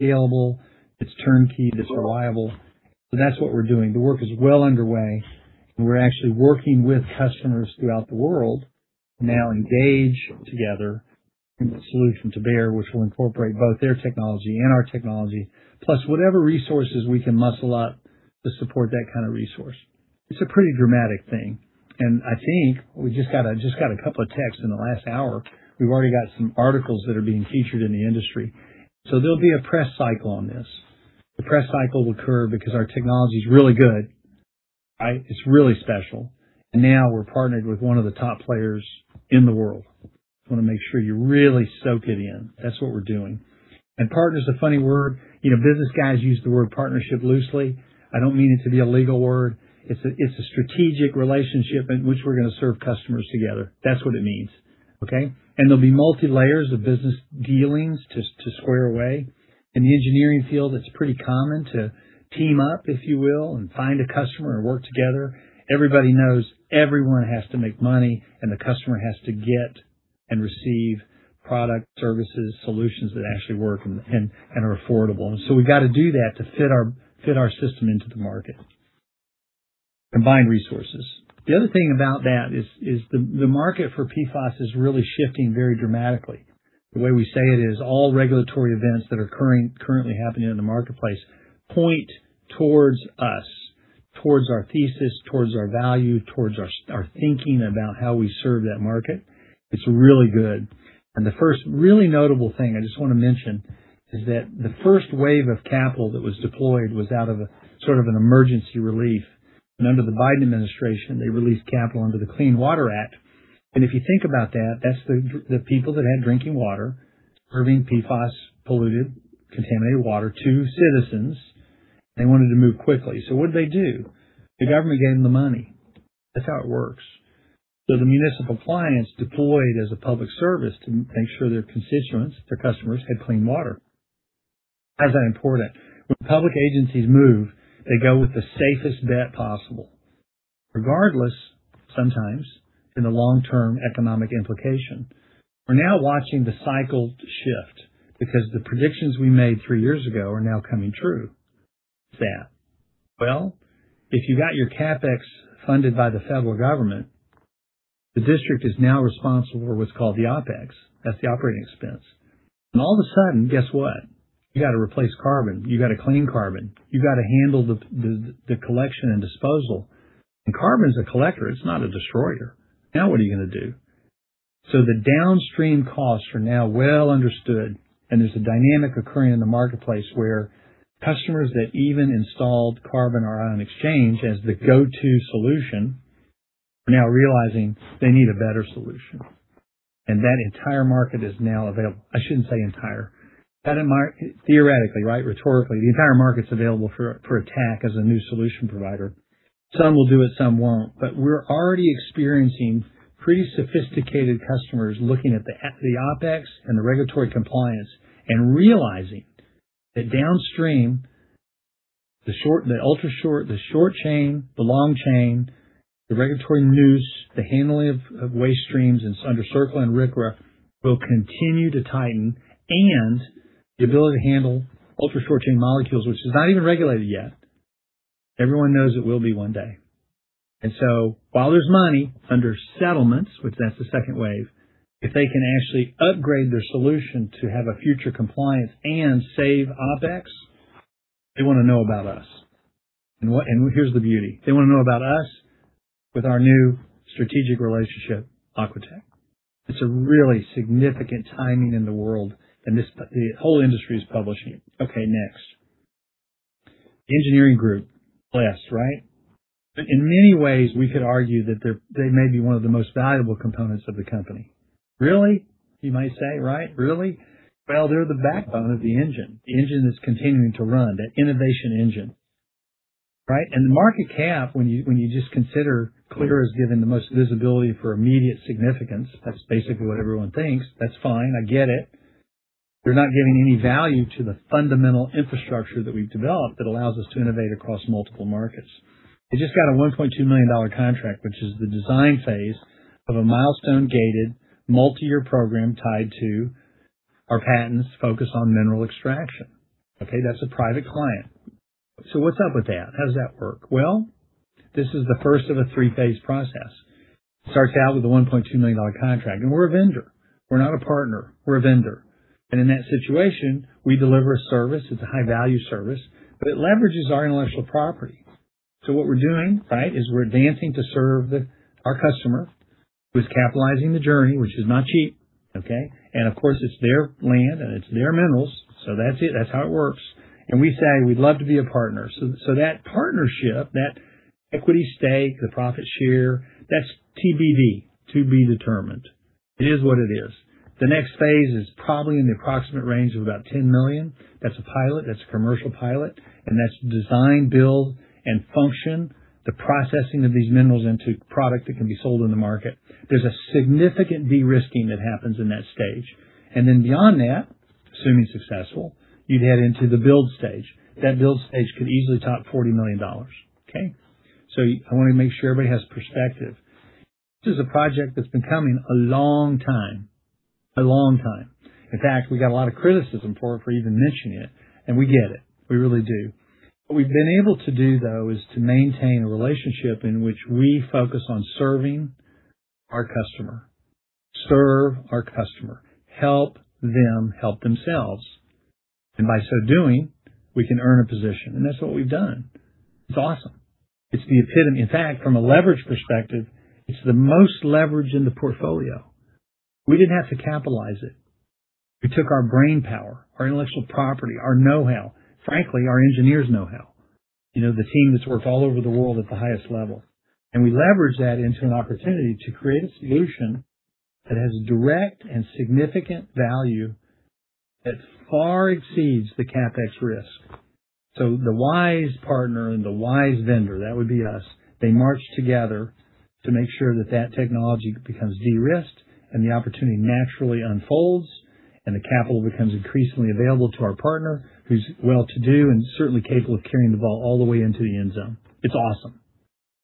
Available, it's turnkey, it's reliable. That's what we're doing. The work is well underway, and we're actually working with customers throughout the world to now engage together, bring the solution to bear, which will incorporate both their technology and our technology, plus whatever resources we can muscle up to support that kind of resource. It's a pretty dramatic thing. I think we just got a couple of texts in the last hour. We've already got some articles that are being featured in the industry. There'll be a press cycle on this. The press cycle will occur because our technology is really good. It's really special. Now we're partnered with one of the top players in the world. I wanna make sure you really soak it in. That's what we're doing. Partner is a funny word. Business guys use the word partnership loosely. I don't mean it to be a legal word. It's a strategic relationship in which we're gonna serve customers together. That's what it means, okay? There'll be multi layers of business dealings to square away. In the engineering field, it's pretty common to team up, if you will, and find a customer and work together. Everybody knows everyone has to make money, and the customer has to get and receive product, services, solutions that actually work and are affordable. We've got to do that to fit our system into the market. Combine resources. The other thing about that is the market for PFAS is really shifting very dramatically. The way we say it is all regulatory events that are currently happening in the marketplace point towards us, towards our thesis, towards our value, towards our thinking about how we serve that market. It's really good. The first really notable thing I just want to mention is that the first wave of capital that was deployed was out of a sort of an emergency relief. Under the Biden administration, they released capital under the Clean Water Act. If you think about that's the people that had drinking water, serving PFAS polluted contaminated water to citizens. They wanted to move quickly. What did they do? The government gave them the money. That's how it works. The municipal clients deployed as a public service to make sure their constituents, their customers, had clean water. Why is that important? When public agencies move, they go with the safest bet possible, regardless sometimes in the long-term economic implication. We're now watching the cycle shift because the predictions we made three years ago are now coming true. What's that? Well, if you got your CapEx funded by the federal government, the district is now responsible for what's called the OpEx. That's the operating expense. All of a sudden, guess what? You got to replace carbon, you got to clean carbon, you got to handle the collection and disposal. Carbon is a collector, it's not a destroyer. Now what are you gonna do? The downstream costs are now well understood, and there's a dynamic occurring in the marketplace where customers that even installed carbon or ion exchange as the go-to solution are now realizing they need a better solution. That entire market is now available, I shouldn't say entire. Theoretically, right? Rhetorically, the entire market's available for attack as a new solution provider. Some will do it, some won't. We're already experiencing pretty sophisticated customers looking at the OpEx and the regulatory compliance and realizing that downstream, the ultra short, the short chain, the long chain, the regulatory noose, the handling of waste streams under CERCLA and RCRA will continue to tighten. The ability to handle ultra short chain molecules, which is not even regulated yet, everyone knows it will be 1 day. While there's money under settlements, which that's the second wave, if they can actually upgrade their solution to have a future compliance and save OpEx, they wanna know about us. Here's the beauty. They wanna know about us with our new strategic relationship, Aquatech. It's a really significant timing in the world, and the whole industry is publishing it. Next. Engineering group. Last, right? In many ways, we could argue that they may be one of the most valuable components of the company. Really? You might say, right? Really? Well, they're the backbone of the engine. The engine is continuing to run, that innovation engine, right? The market cap, when you just consider Clyra as given the most visibility for immediate significance, that's basically what everyone thinks. That's fine. I get it. They're not giving any value to the fundamental infrastructure that we've developed that allows us to innovate across multiple markets. They just got a $1.2 million contract, which is the design phase of a milestone-gated multi-year program tied to our patents focus on mineral extraction. Okay? That's a private client. What's up with that? How does that work? This is the first of a three-phase process. It starts out with a $1.2 million contract, we're a vendor. We're not a partner, we're a vendor. In that situation, we deliver a service. It's a high-value service, it leverages our intellectual property. What we're doing, right, is we're advancing to serve our customer, who is capitalizing the journey, which is not cheap. Of course, it's their land and it's their minerals. That's it. That's how it works. We say we'd love to be a partner. That partnership, that equity stake, the profit share, that's TBD, to be determined. It is what it is. The next phase is probably in the approximate range of about $10 million. That's a pilot, that's a commercial pilot, and that's design, build, and function, the processing of these minerals into product that can be sold in the market. There's a significant de-risking that happens in that stage. Beyond that, assuming successful, you'd head into the build stage. That build stage could easily top $40 million. Okay. I want to make sure everybody has perspective. This is a project that's been coming a long time. A long time. In fact, we got a lot of criticism for it, for even mentioning it, and we get it. We really do. What we've been able to do, though, is to maintain a relationship in which we focus on serving our customer, serve our customer, help them help themselves. By so doing, we can earn a position, and that's what we've done. It's awesome. It's the epitome. In fact, from a leverage perspective, it's the most leverage in the portfolio. We didn't have to capitalize it. We took our brainpower, our intellectual property, our know-how, frankly, our engineers' know-how, you know, the team that's worked all over the world at the highest level. We leveraged that into an opportunity to create a solution that has direct and significant value that far exceeds the CapEx risk. The wise partner and the wise vendor, that would be us, they march together to make sure that that technology becomes de-risked and the opportunity naturally unfolds, and the capital becomes increasingly available to our partner who's well to do and certainly capable of carrying the ball all the way into the end zone. It's awesome.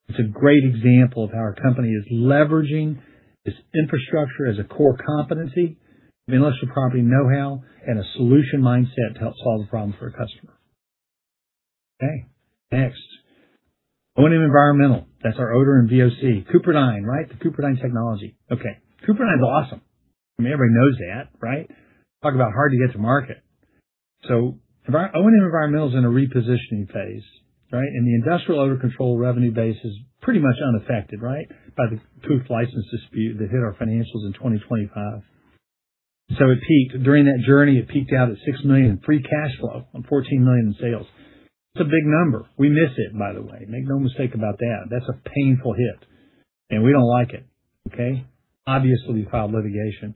It's a great example of how our company is leveraging its infrastructure as a core competency of intellectual property know-how and a solution mindset to help solve a problem for a customer. ONM Environmental. That's our odor and VOC. CupriDyne, right? The CupriDyne technology. CupriDyne's awesome. I mean, everybody knows that, right? Talk about hard to get to market. ONM Environmental is in a repositioning phase, right? The industrial odor control revenue base is pretty much unaffected, right, by the Pooph license dispute that hit our financials in 2025. During that journey, it peaked out at $6 million free cash flow on $14 million in sales. It's a big number. We miss it, by the way. Make no mistake about that. That's a painful hit, and we don't like it. Obviously, we filed litigation.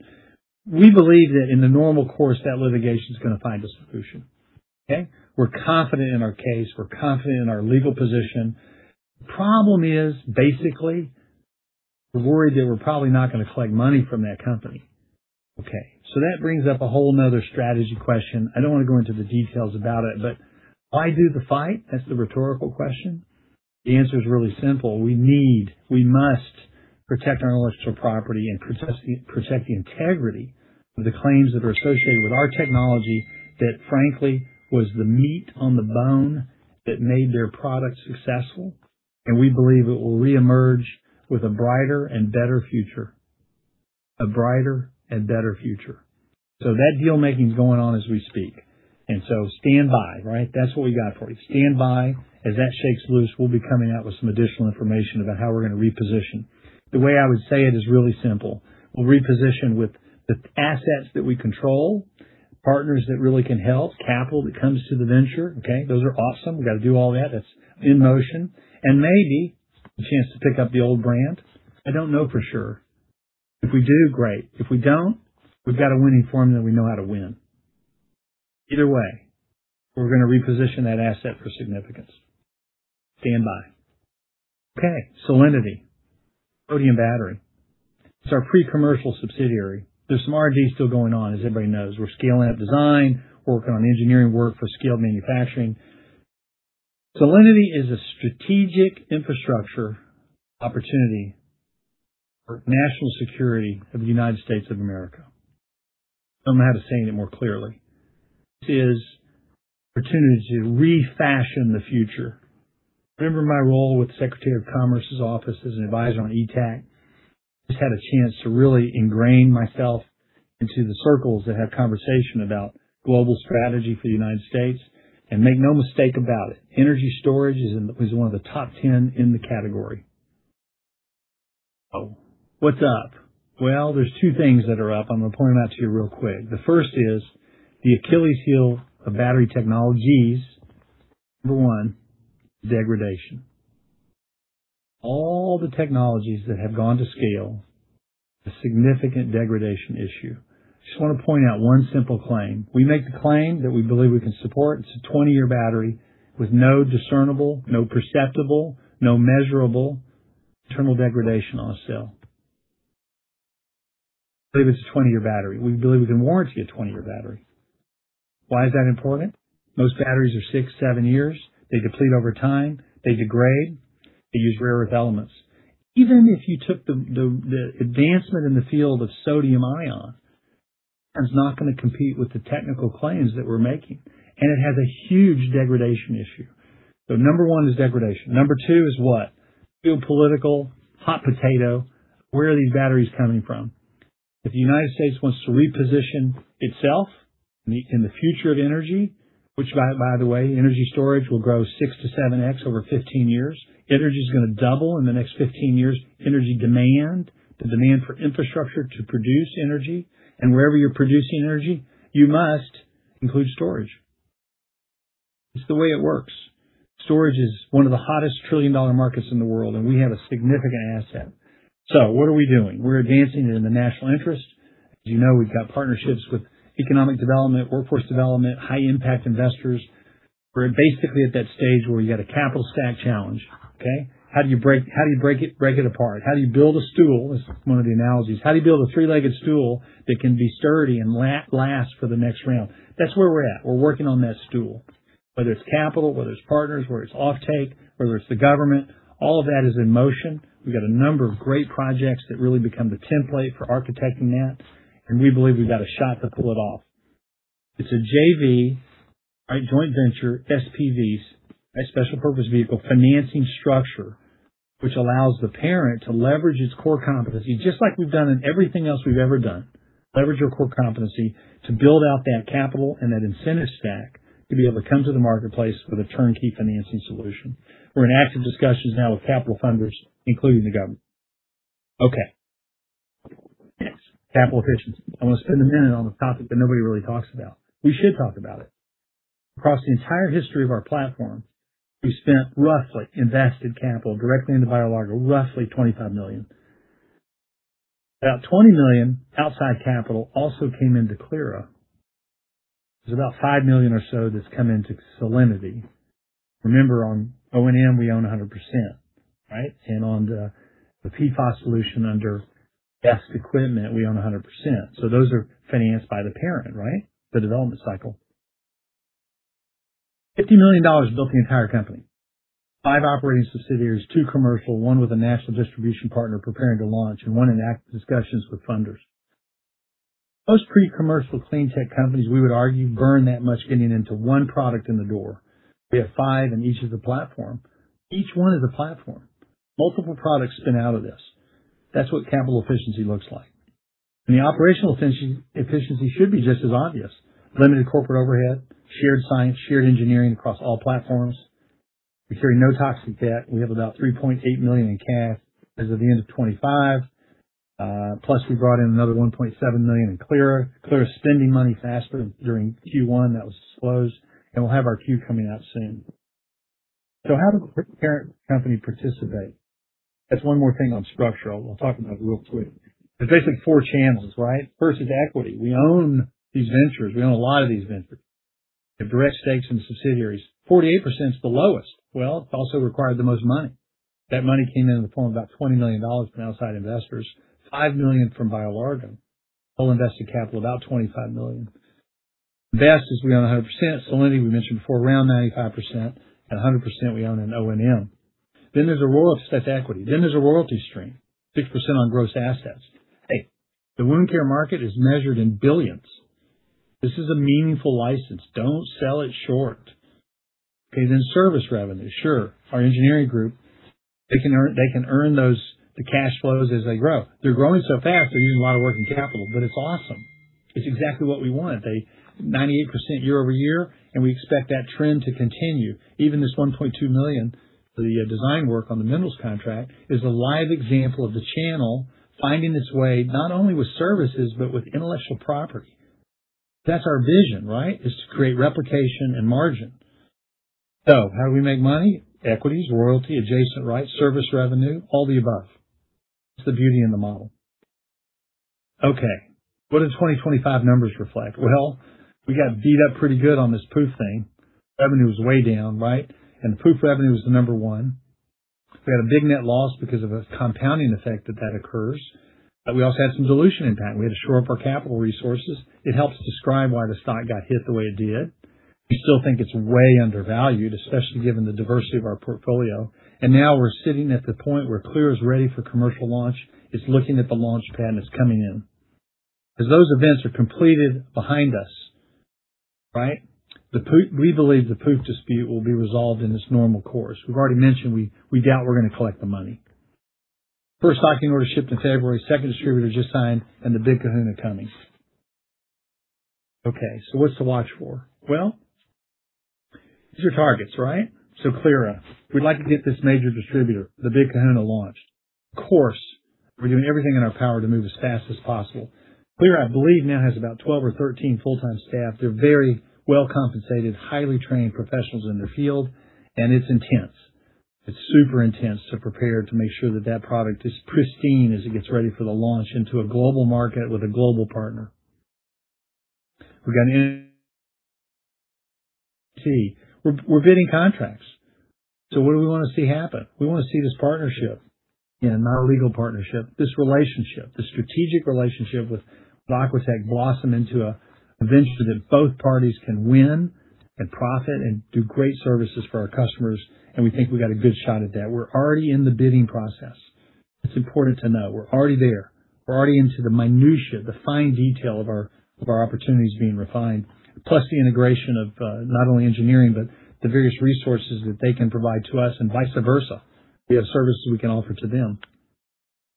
We believe that in the normal course, that litigation is going to find a solution. Okay? We're confident in our case. We're confident in our legal position. The problem is, basically, we're worried that we're probably not going to collect money from that company. Okay. That brings up a whole another strategy question. I don't want to go into the details about it, why do the fight? That's the rhetorical question. The answer is really simple. We must protect our intellectual property and protect the integrity of the claims that are associated with our technology that, frankly, was the meat on the bone that made their product successful. We believe it will reemerge with a brighter and better future, a brighter and better future. That deal-making is going on as we speak. Stand by, right? That's what we got for you. Stand by. As that shakes loose, we'll be coming out with some additional information about how we're going to reposition. The way I would say it is really simple. We'll reposition with the assets that we control, partners that really can help, capital that comes to the venture. Okay? Those are awesome. We got to do all that. That's in motion. Maybe a chance to pick up the old brand. I don't know for sure. If we do, great, if we don't, we've got a winning formula that we know how to win. Either way, we're going to reposition that asset for significance. Stand by. Okay. Cellinity. Sodium battery. It's our pre-commercial subsidiary. There's some R&D still going on, as everybody knows. We're scaling up design, working on engineering work for scale manufacturing. Cellinity is a strategic infrastructure opportunity for national security of the United States of America. Don't know how to say any more clearly. This is an opportunity to refashion the future. Remember my role with Secretary of Commerce's office as an advisor on ETAC? Just had a chance to really ingrain myself into the circles that have conversation about global strategy for the United States. Make no mistake about it, energy storage is one of the top 10 in the category. What's up? Well, there's two things that are up, I'm going to point them out to you real quick. The first is, the Achilles heel of battery technologies number one, degradation, all the technologies that have gone to scale, a significant degradation issue. Just want to point out one simple claim. We make the claim that we believe we can support. It's a 20-year battery with no discernible, no perceptible, no measurable terminal degradation on a cell. I believe it's a 20-year battery. We believe we can warranty a 20-year battery. Why is that important? Most batteries are six, seven years, they deplete over time, they degrade, and they use rare earth elements. Even if you took the advancement in the field of sodium ion, it's not going to compete with the technical claims that we're making, and it has a huge degradation issue. Number one is degradation. Number two is what? Geopolitical hot potato. Where are these batteries coming from? If the United States wants to reposition itself in the future of energy, which by the way, energy storage will grow 6 to 7x over 15 years. Energy is going to double in the next 15 years. Energy demand, the demand for infrastructure to produce energy, and wherever you're producing energy, you must include storage. It's the way it works. Storage is one of the hottest trillion-dollar markets in the world, and we have a significant asset. What are we doing? We're advancing it in the national interest. As you know, we've got partnerships with economic development, workforce development, high-impact investors. We're basically at that stage where you got a capital stack challenge, okay? How do you break it apart? How do you build a stool? Is one of the analogies. How do you build a three-legged stool that can be sturdy and last for the next round? That's where we're at. We're working on that stool. Whether it's capital, whether it's partners, whether it's offtake, whether it's the government, all of that is in motion. We've got a number of great projects that really become the template for architecting that, and we believe we've got a shot to pull it off. It's a JV, right, joint venture, SPVs, a Special Purpose Vehicle financing structure, which allows the parent to leverage its core competency, just like we've done in everything else we've ever done. Leverage your core competency to build out that capital and that incentive stack to be able to come to the marketplace with a turnkey financing solution. We're in active discussions now with capital funders, including the government. Okay. Next, capital efficiency. I want to spend a minute on the topic that nobody really talks about. We should talk about it. Across the entire history of our platform, we spent roughly invested capital directly into BioLargo, roughly $25 million. About $20 million outside capital also came into Clyra. There's about $5 million or so that's come into Celinity. Remember, on O&M, we own 100%, right? On the PFAS solution under BioLargo Equipment, we own 100%. Those are financed by the parent, right? The development cycle, $50 million built the entire company, five operating subsidiaries, two commercial, one with a national distribution partner preparing to launch, and one in active discussions with funders. Most pre-commercial clean tech companies, we would argue, burn that much getting into one product in the door. We have five in each of the platform. Each one is a platform. Multiple products spin out of this. That's what capital efficiency looks like. The operational efficiency should be just as obvious. Limited corporate overhead, shared science, shared engineering across all platforms. We carry no toxic debt. We have about $3.8 million in cash as of the end of 2025, plus we brought in another $1.7 million in Clyra. Clyra's spending money faster during Q1. That was close. We'll have our Q coming out soon. How does the parent company participate? That's one more thing on structure I'll talk about real quick. There's basically four channels, right? First is equity, we own these ventures. We own a lot of these ventures. The direct stakes in subsidiaries, 48% is the lowest. Well, it also requires the most money. That money came in the form of about $20 million from outside investors, $5 million from BioLargo. Total invested capital, about $25 million. Invest is we own 100%. Celinity, we mentioned before, around 95%. 100% we own in ONM. There's a role of set equity. There's a royalty stream, 6% on gross assets. Hey, the wound care market is measured in billions. This is a meaningful license, don't sell it short. Okay, service revenue. Sure, our engineering group, they can earn those, the cash flows as they grow. They're growing so fast, they're using a lot of working capital, but it's awesome. It's exactly what we want. They 98% year-over-year, we expect that trend to continue, even this $1.2 million for the design work on the minerals contract is a live example of the channel finding its way not only with services, but with intellectual property. That's our vision, right? Is to create replication and margin. How do we make money? Equities, royalty, adjacent rights, service revenue, all the above. It's the beauty in the model. Okay, what do the 2025 numbers reflect? Well, we got beat up pretty good on this Pooph thing. Revenue was way down, right? The Pooph revenue was the number one. We had a big net loss because of a compounding effect that occurs. We also had some dilution impact. We had to shore up our capital resources. It helps describe why the stock got hit the way it did. We still think it's way undervalued, especially given the diversity of our portfolio. Now we're sitting at the point where Clyra is ready for commercial launch, it's looking at the launch pad, and it's coming in. As those events are completed behind us, right, we believe the Pooph dispute will be resolved in its normal course. We've already mentioned we doubt we're going to collect the money. First stocking order shipped in February, second distributor just signed, and the big kahuna coming. What's to watch for? Well, these are targets, right? Clyra, we'd like to get this major distributor, the big kahuna launch. Of course, we're doing everything in our power to move as fast as possible. Clyra, I believe, now has about 12 or 13 full-time staff. They're very well-compensated, highly trained professionals in their field, and it's intense. It's super intense to prepare to make sure that that product is pristine as it gets ready for the launch into a global market with a global partner. We're bidding contracts. What do we want to see happen? We want to see this partnership, and not a legal partnership, this relationship, this strategic relationship with Aquatech blossom into a venture that both parties can win and profit and do great services for our customers, and we think we've got a good shot at that. We're already in the bidding process. It's important to know we're already there. We're already into the minutiae, the fine detail of our, of our opportunities being refined, plus the integration of not only engineering, but the various resources that they can provide to us and vice versa. We have services we can offer to them.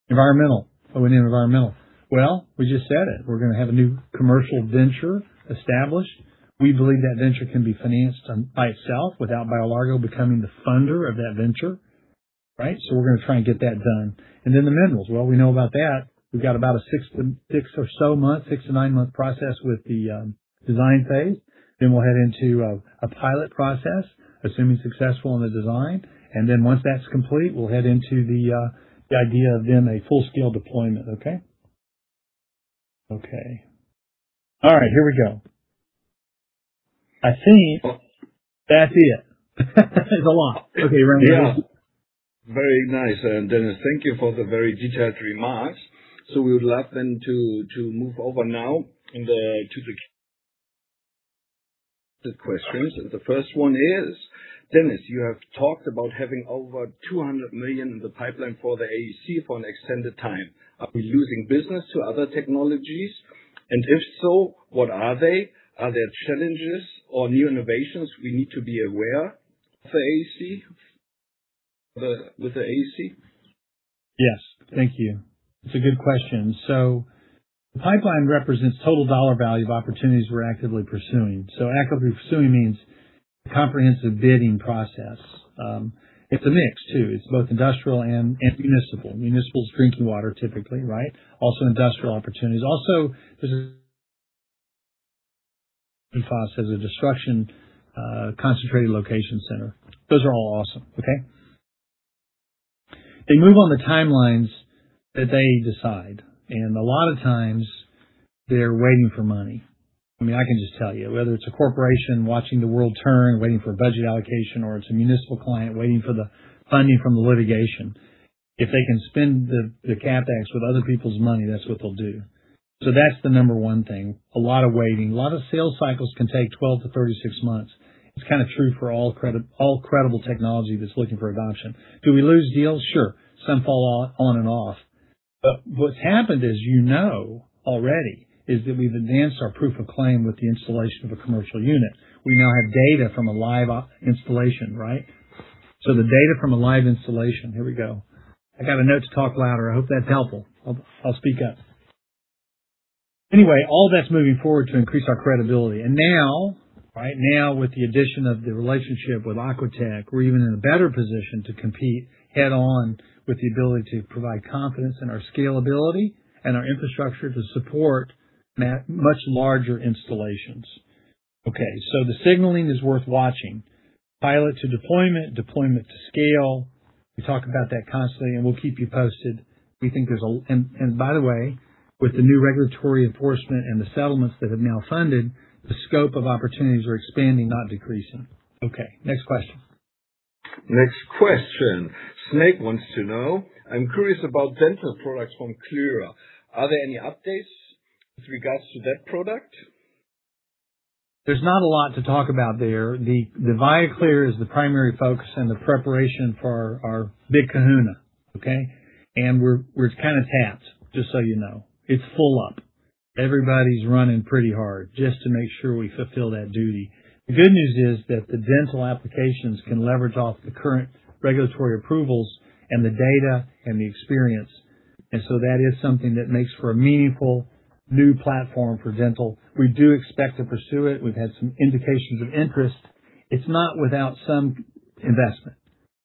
Environmental. What we need environmental. Well, we just said it, we're going to have a new commercial venture established. We believe that venture can be financed by itself without BioLargo becoming the funder of that venture, right? We're going to try and get that done. Then the minerals. Well, we know about that. We've got about a six or so month, six or nine month process with the design phase. Then we'll head into a pilot process, assuming successful in the design. Then once that's complete, we'll head into the idea of then a full-scale deployment, okay? Okay. All right, here we go. I think that's it. It's a lot. Okay, Randy. Yeah. Very nice. Dennis, thank you for the detailed remarks. We would love then to move over now to the questions. The first one is, Dennis, you have talked about having over $200 million in the pipeline for the AEC for an extended time. Are we losing business to other technologies? If so, what are they? Are there challenges or new innovations we need to be aware of the AEC? Yes. Thank you. It's a good question. The pipeline represents total dollar value of opportunities we're actively pursuing. Actively pursuing means comprehensive bidding process. It's a mix, too. It's both industrial and municipal, municipal is drinking water, typically, right? Also industrial opportunities. Also, there's a PFOS as a destruction concentrated location center. Those are all awesome. Okay. They move on the timelines that they decide, and a lot of times they're waiting for money, I mean, I can just tell you, whether it's a corporation watching the world turn, waiting for a budget allocation, or it's a municipal client waiting for the funding from the litigation. If they can spend the CapEx with other people's money, that's what they'll do. That's the number one thing, a lot of waiting. A lot of sales cycles can take 12-36 months. It's kind of true for all credible technology that's looking for adoption. Do we lose deals? Sure. Some fall off, on and off. What's happened is, you know already, is that we've advanced our proof of claim with the installation of a commercial unit. We now have data from a live installation, right? The data from a live installation. Here we go. I got a note to talk louder. I hope that's helpful. I'll speak up. Anyway, all that's moving forward to increase our credibility, and now, right now, with the addition of the relationship with Aquatech, we're even in a better position to compete head on with the ability to provide confidence in our scalability and our infrastructure to support much larger installations. Okay, the signaling is worth watching. Pilot to deployment to scale. We talk about that constantly, and we'll keep you posted. By the way, with the new regulatory enforcement and the settlements that have now funded, the scope of opportunities are expanding, not decreasing. Okay, next question. Next question. Snake wants to know, I'm curious about dental products from Clyra. Are there any updates with regards to that product? There's not a lot to talk about there. The ViaClyr is the primary focus and the preparation for our big kahuna. Okay. We're kind of tapped, just so you know. It's full up. Everybody's running pretty hard just to make sure we fulfill that duty. The good news is that the dental applications can leverage off the current regulatory approvals and the data and the experience. That is something that makes for a meaningful new platform for dental. We do expect to pursue it. We've had some indications of interest. It's not without some investment.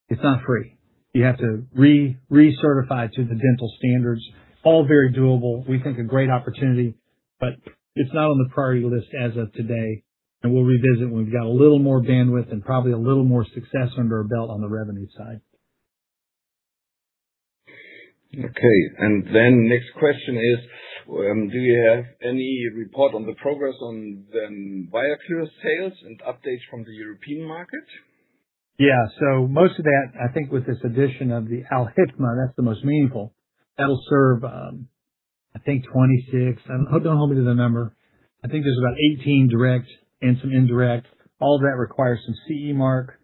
It's not free. You have to re-recertify to the dental standards. All very doable. We think a great opportunity, but it's not on the priority list as of today. We'll revisit when we've got a little more bandwidth and probably a little more success under our belt on the revenue side. Okay. Next question is, do you have any report on the progress on the ViaClyr sales and updates from the European market? Most of that, I think with this addition of the Al-Hikma FZCO, that's the most meaningful. That'll serve, I think 26, don't hold me to the number. I think there's about 18 direct and some indirect. All that requires some CE mark.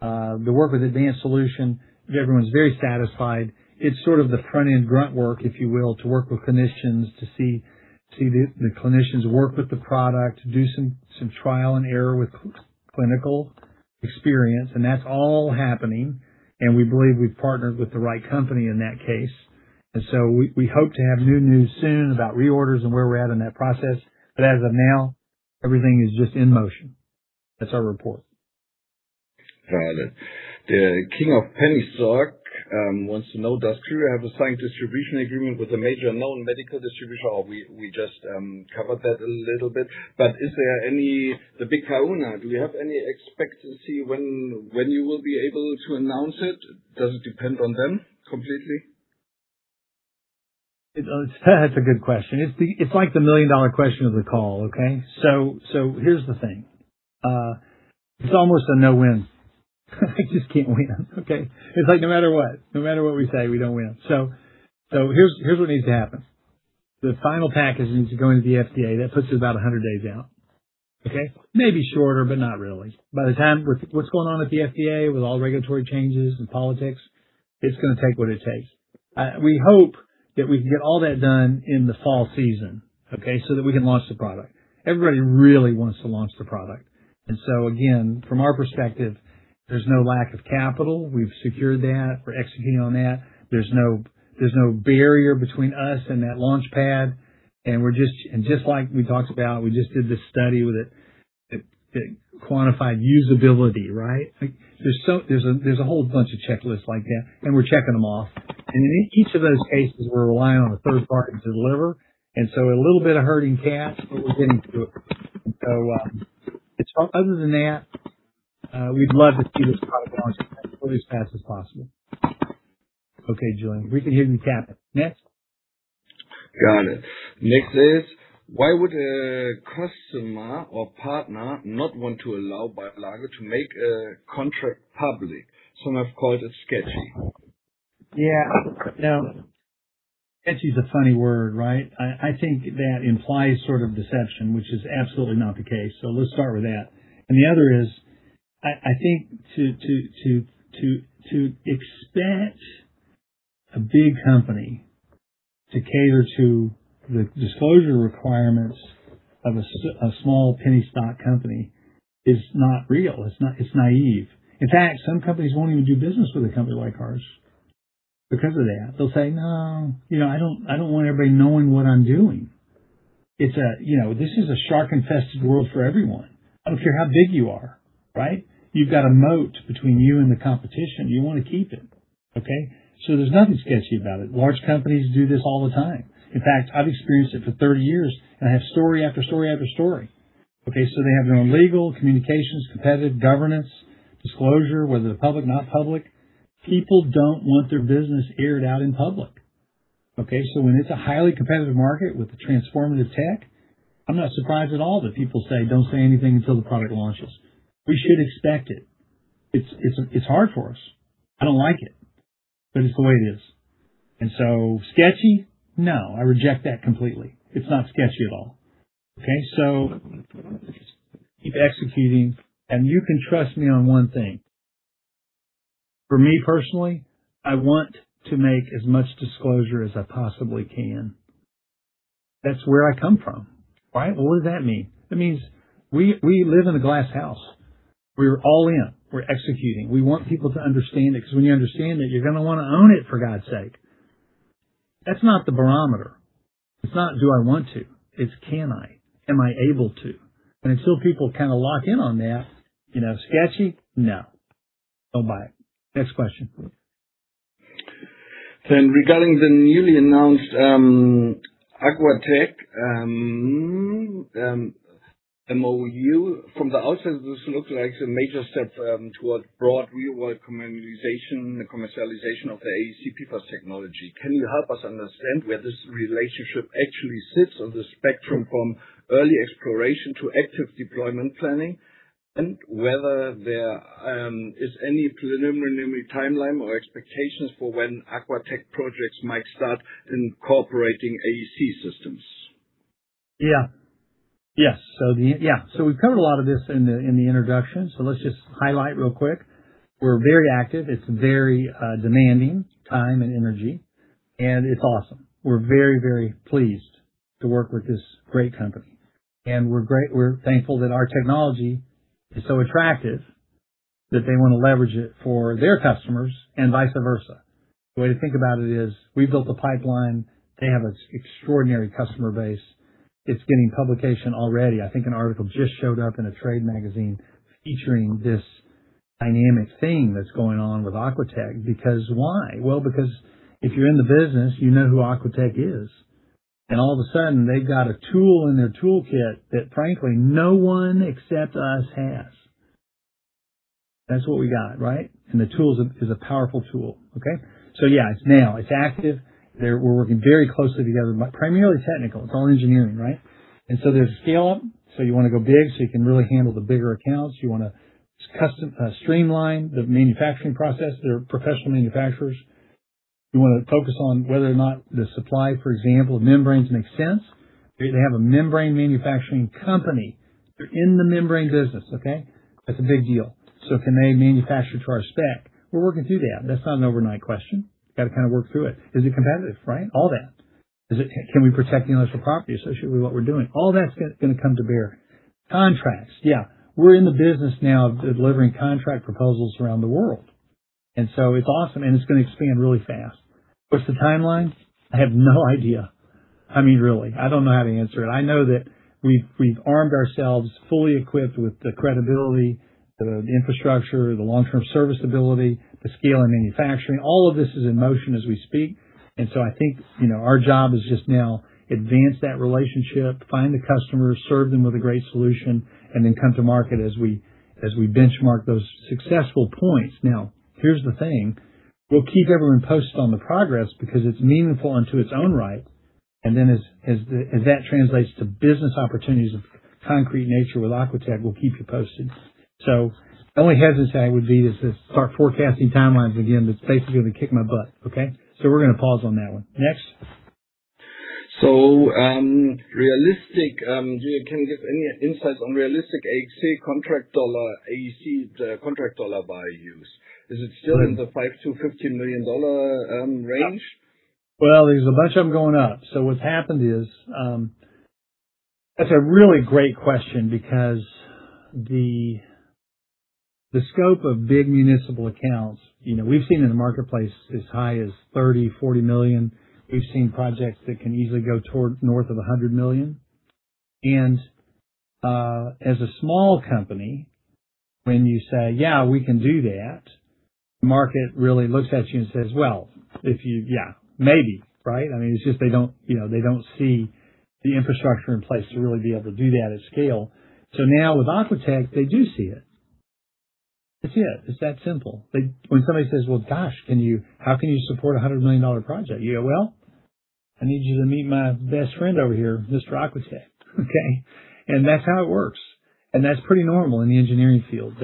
The work with Advanced Solutions, everyone's very satisfied. It's sort of the front-end grunt work, if you will, to work with clinicians to see the clinicians work with the product, do some trial and error with clinical experience, that's all happening. We believe we've partnered with the right company in that case. We hope to have new news soon about reorders and where we're at in that process. As of now, everything is just in motion. That's our report. Got it. The King of Penny Stocks wants to know, does Clyra have a signed distribution agreement with a major known medical distributor? We just covered that a little bit. Is there any the big kahuna, do we have any expectancy when you will be able to announce it? Does it depend on them completely? It, that's a good question. It's the, it's like the million-dollar question of the call, okay? Here's the thing. It's almost a no-win. I just can't win. Okay? It's like no matter what, no matter what we say, we don't win. Here's what needs to happen. The final packaging needs to go into the FDA. That puts us about 100 days out. Okay? Maybe shorter, but not really. By the time with what's going on at the FDA, with all regulatory changes and politics, it's going to take what it takes. We hope that we can get all that done in the fall season, okay? That we can launch the product. Everybody really wants to launch the product. Again, from our perspective, there's no lack of capital. We've secured that. We're executing on that. There's no barrier between us and that launch pad. Just like we talked about, we just did this study with a quantified usability, right? Like, there's a whole bunch of checklists like that, and we're checking them off. In each of those cases, we're relying on a third party to deliver. A little bit of herding cats, but we're getting through it. Other than that, we'd love to see this product launch as quickly, as fast as possible. Okay, Julian, we can hit and cap it. Next. Got it. Next is, why would a customer or partner not want to allow BioLargo to make a contract public? Some have called it sketchy. Yeah. Sketchy is a funny word, right? I think that implies sort of deception, which is absolutely not the case. Let's start with that. The other is, I think to expect a big company to cater to the disclosure requirements of a small penny stock company is not real. It's naive. In fact, some companies won't even do business with a company like ours because of that. They'll say, "No, you know, I don't, I don't want everybody knowing what I'm doing." It's a, this is a shark-infested world for everyone. I don't care how big you are, right? You've got a moat between you and the competition. You wanna keep it, okay? There's nothing sketchy about it. Large companies do this all the time. In fact, I've experienced it for 30 years, and I have story after story after story. Okay, they have their own legal, communications, competitive governance, disclosure, whether they're public, not public. People don't want their business aired out in public, okay? When it's a highly competitive market with a transformative tech, I'm not surprised at all that people say, "Don't say anything until the product launches." We should expect it. It's hard for us. I don't like it, but it's the way it is, so sketchy, no, I reject that completely. It's not sketchy at all, okay? Keep executing, and you can trust me on one thing. For me, personally, I want to make as much disclosure as I possibly can. That's where I come from, right? What does that mean? That means we live in a glass house. We're all in. We're executing. We want people to understand it because when you understand it, you're going to want to own it, for God's sake. That's not the barometer. It's not, do I want to? It's can I? Am I able to? Until people kind of lock in on that, you know, sketchy, no. Don't buy it. Next question. Regarding the newly announced Aquatech MOU, from the outside, this looks like a major step towards broad real-world commercialization of the AEC PFAS technology. Can you help us understand where this relationship actually sits on the spectrum from early exploration to active deployment planning? Whether there is any preliminary timeline or expectations for when Aquatech projects might start incorporating AEC systems. Yeah. Yes. We've covered a lot of this in the introduction, so let's just highlight real quick. We're very active. It's very demanding, time and energy, and it's awesome. We're very, very pleased to work with this great company. We're thankful that our technology is so attractive that they wanna leverage it for their customers and vice versa. The way to think about it is we built a pipeline, they have an extraordinary customer base. It's getting publication already. I think an article just showed up in a trade magazine featuring this dynamic thing that's going on with Aquatech because why? Well, because if you're in the business, you know who Aquatech is. All of a sudden, they've got a tool in their toolkit that frankly, no one except us has. That's what we got, right? The tool is a powerful tool, okay. Yeah, it's now. It's active. We're working very closely together, primarily technical. It's all engineering, right. There's scale up, so you wanna go big, so you can really handle the bigger accounts. You wanna streamline the manufacturing process, they're professional manufacturers, you wanna focus on whether or not the supply, for example, of membranes makes sense. They have a membrane manufacturing company. They're in the membrane business, okay. That's a big deal, so can they manufacture to our spec? We're working through that. That's not an overnight question. Gotta kinda work through it. Is it competitive, right. All that. Can we protect the intellectual property associated with what we're doing? All that's gonna come to bear. Contracts, yeah. We're in the business now of delivering contract proposals around the world. It's awesome, and it's gonna expand really fast. What's the timeline? I have no idea. I mean, really. I don't know how to answer it. I know that we've armed ourselves, fully equipped with the credibility, the infrastructure, the long-term service ability, the scale in manufacturing. All of this is in motion as we speak. I think, our job is just now advance that relationship, find the customers, serve them with a great solution, and then come to market as we benchmark those successful points. Now, here's the thing. We'll keep everyone posted on the progress because it's meaningful in to its own right. As that translates to business opportunities of concrete nature with Aquatech, we'll keep you posted. The only hesitancy I would be to start forecasting timelines again, that's basically gonna kick my butt, okay? We're gonna pause on that one. Next. Realistic, can you give any insights on realistic AEC contract dollar, AEC, contract dollar values? Is it still in the $5 million-$15 million range? Well, there's a bunch of them going up. What's happened is, that's a really great question because the scope of big municipal accounts, we've seen in the marketplace as high as $30 million, $40 million. We've seen projects that can easily go toward north of $100 million. As a small company, when you say, "Yeah, we can do that," the market really looks at you and says, "Well, if you Yeah, maybe." Right? I mean, it's just they don't, you know, they don't see the infrastructure in place to really be able to do that at scale. Now with Aquatech, they do see it. That's it. It's that simple. Like when somebody says, "Well, gosh, how can you support a $100 million project?" You go, "Well, I need you to meet my best friend over here, Mr. AquaSafe." Okay? That's how it works. That's pretty normal in the engineering field.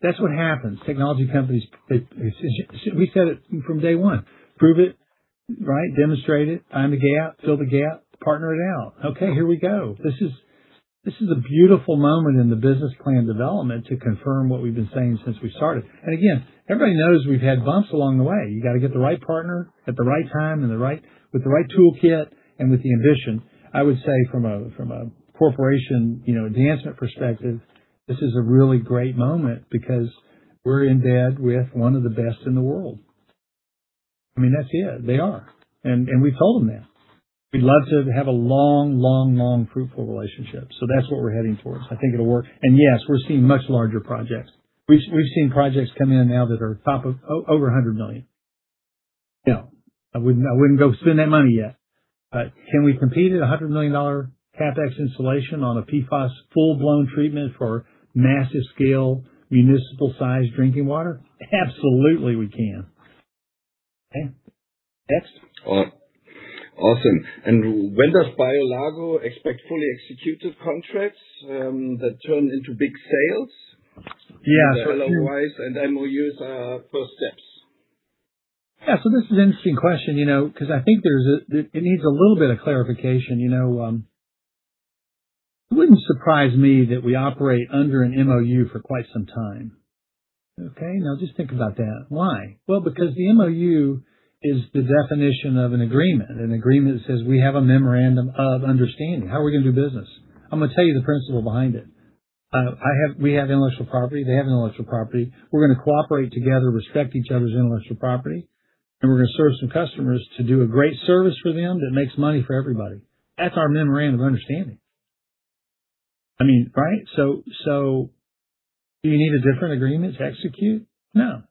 That's what happens, technology companies, we said it from day one, prove it, right? Demonstrate it. Find the gap, fill the gap, partner it out. Okay, here we go. This is a beautiful moment in the business plan development to confirm what we've been saying since we started. Again, everybody knows we've had bumps along the way. You got to get the right partner at the right time with the right toolkit and with the ambition. I would say from a corporation advancement perspective, this is a really great moment because we're in bed with one of the best in the world. I mean, that's it. They are. We've told them that. We'd love to have a long, fruitful relationship. That's what we're heading towards. I think it'll work. Yes, we're seeing much larger projects. We've seen projects come in now that are top of over $100 million. You know, I wouldn't go spend that money yet. Can we compete at a $100 million CapEx installation on a PFAS full-blown treatment for massive scale, municipal sized drinking water? Absolutely, we can. Okay, next. Awesome. When does BioLargo expect fully executed contracts that turn into big sales? Yeah. Development-wise, we'll use first steps. Yeah. This is an interesting question, because I think it needs a little bit of clarification. It wouldn't surprise me that we operate under an MOU for quite some time. Okay? Just think about that. Why? Because the MOU is the definition of an agreement. An agreement says we have a memorandum of understanding. How are we going to do business? I'm going to tell you the principle behind it. We have intellectual property. They have intellectual property. We're going to cooperate together, respect each other's intellectual property, and we're going to serve some customers to do a great service for them that makes money for everybody. That's our memorandum of understanding. I mean, right? Do you need a different agreement to execute? No. No.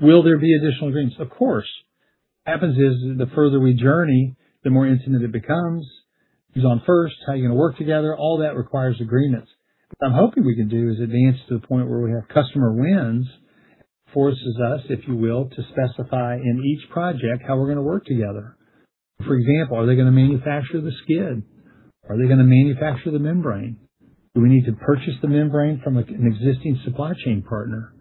Will there be additional agreements? Of course. What happens is, the further we journey, the more intimate it becomes. Who's on first, how you're going to work together, all that requires agreements. What I'm hoping we can do is advance to the point where we have customer wins, forces us, if you will, to specify in each project how we're going to work together. For example, are they going to manufacture the skid? Are they going to manufacture the membrane? Do we need to purchase the membrane from an existing supply chain partner?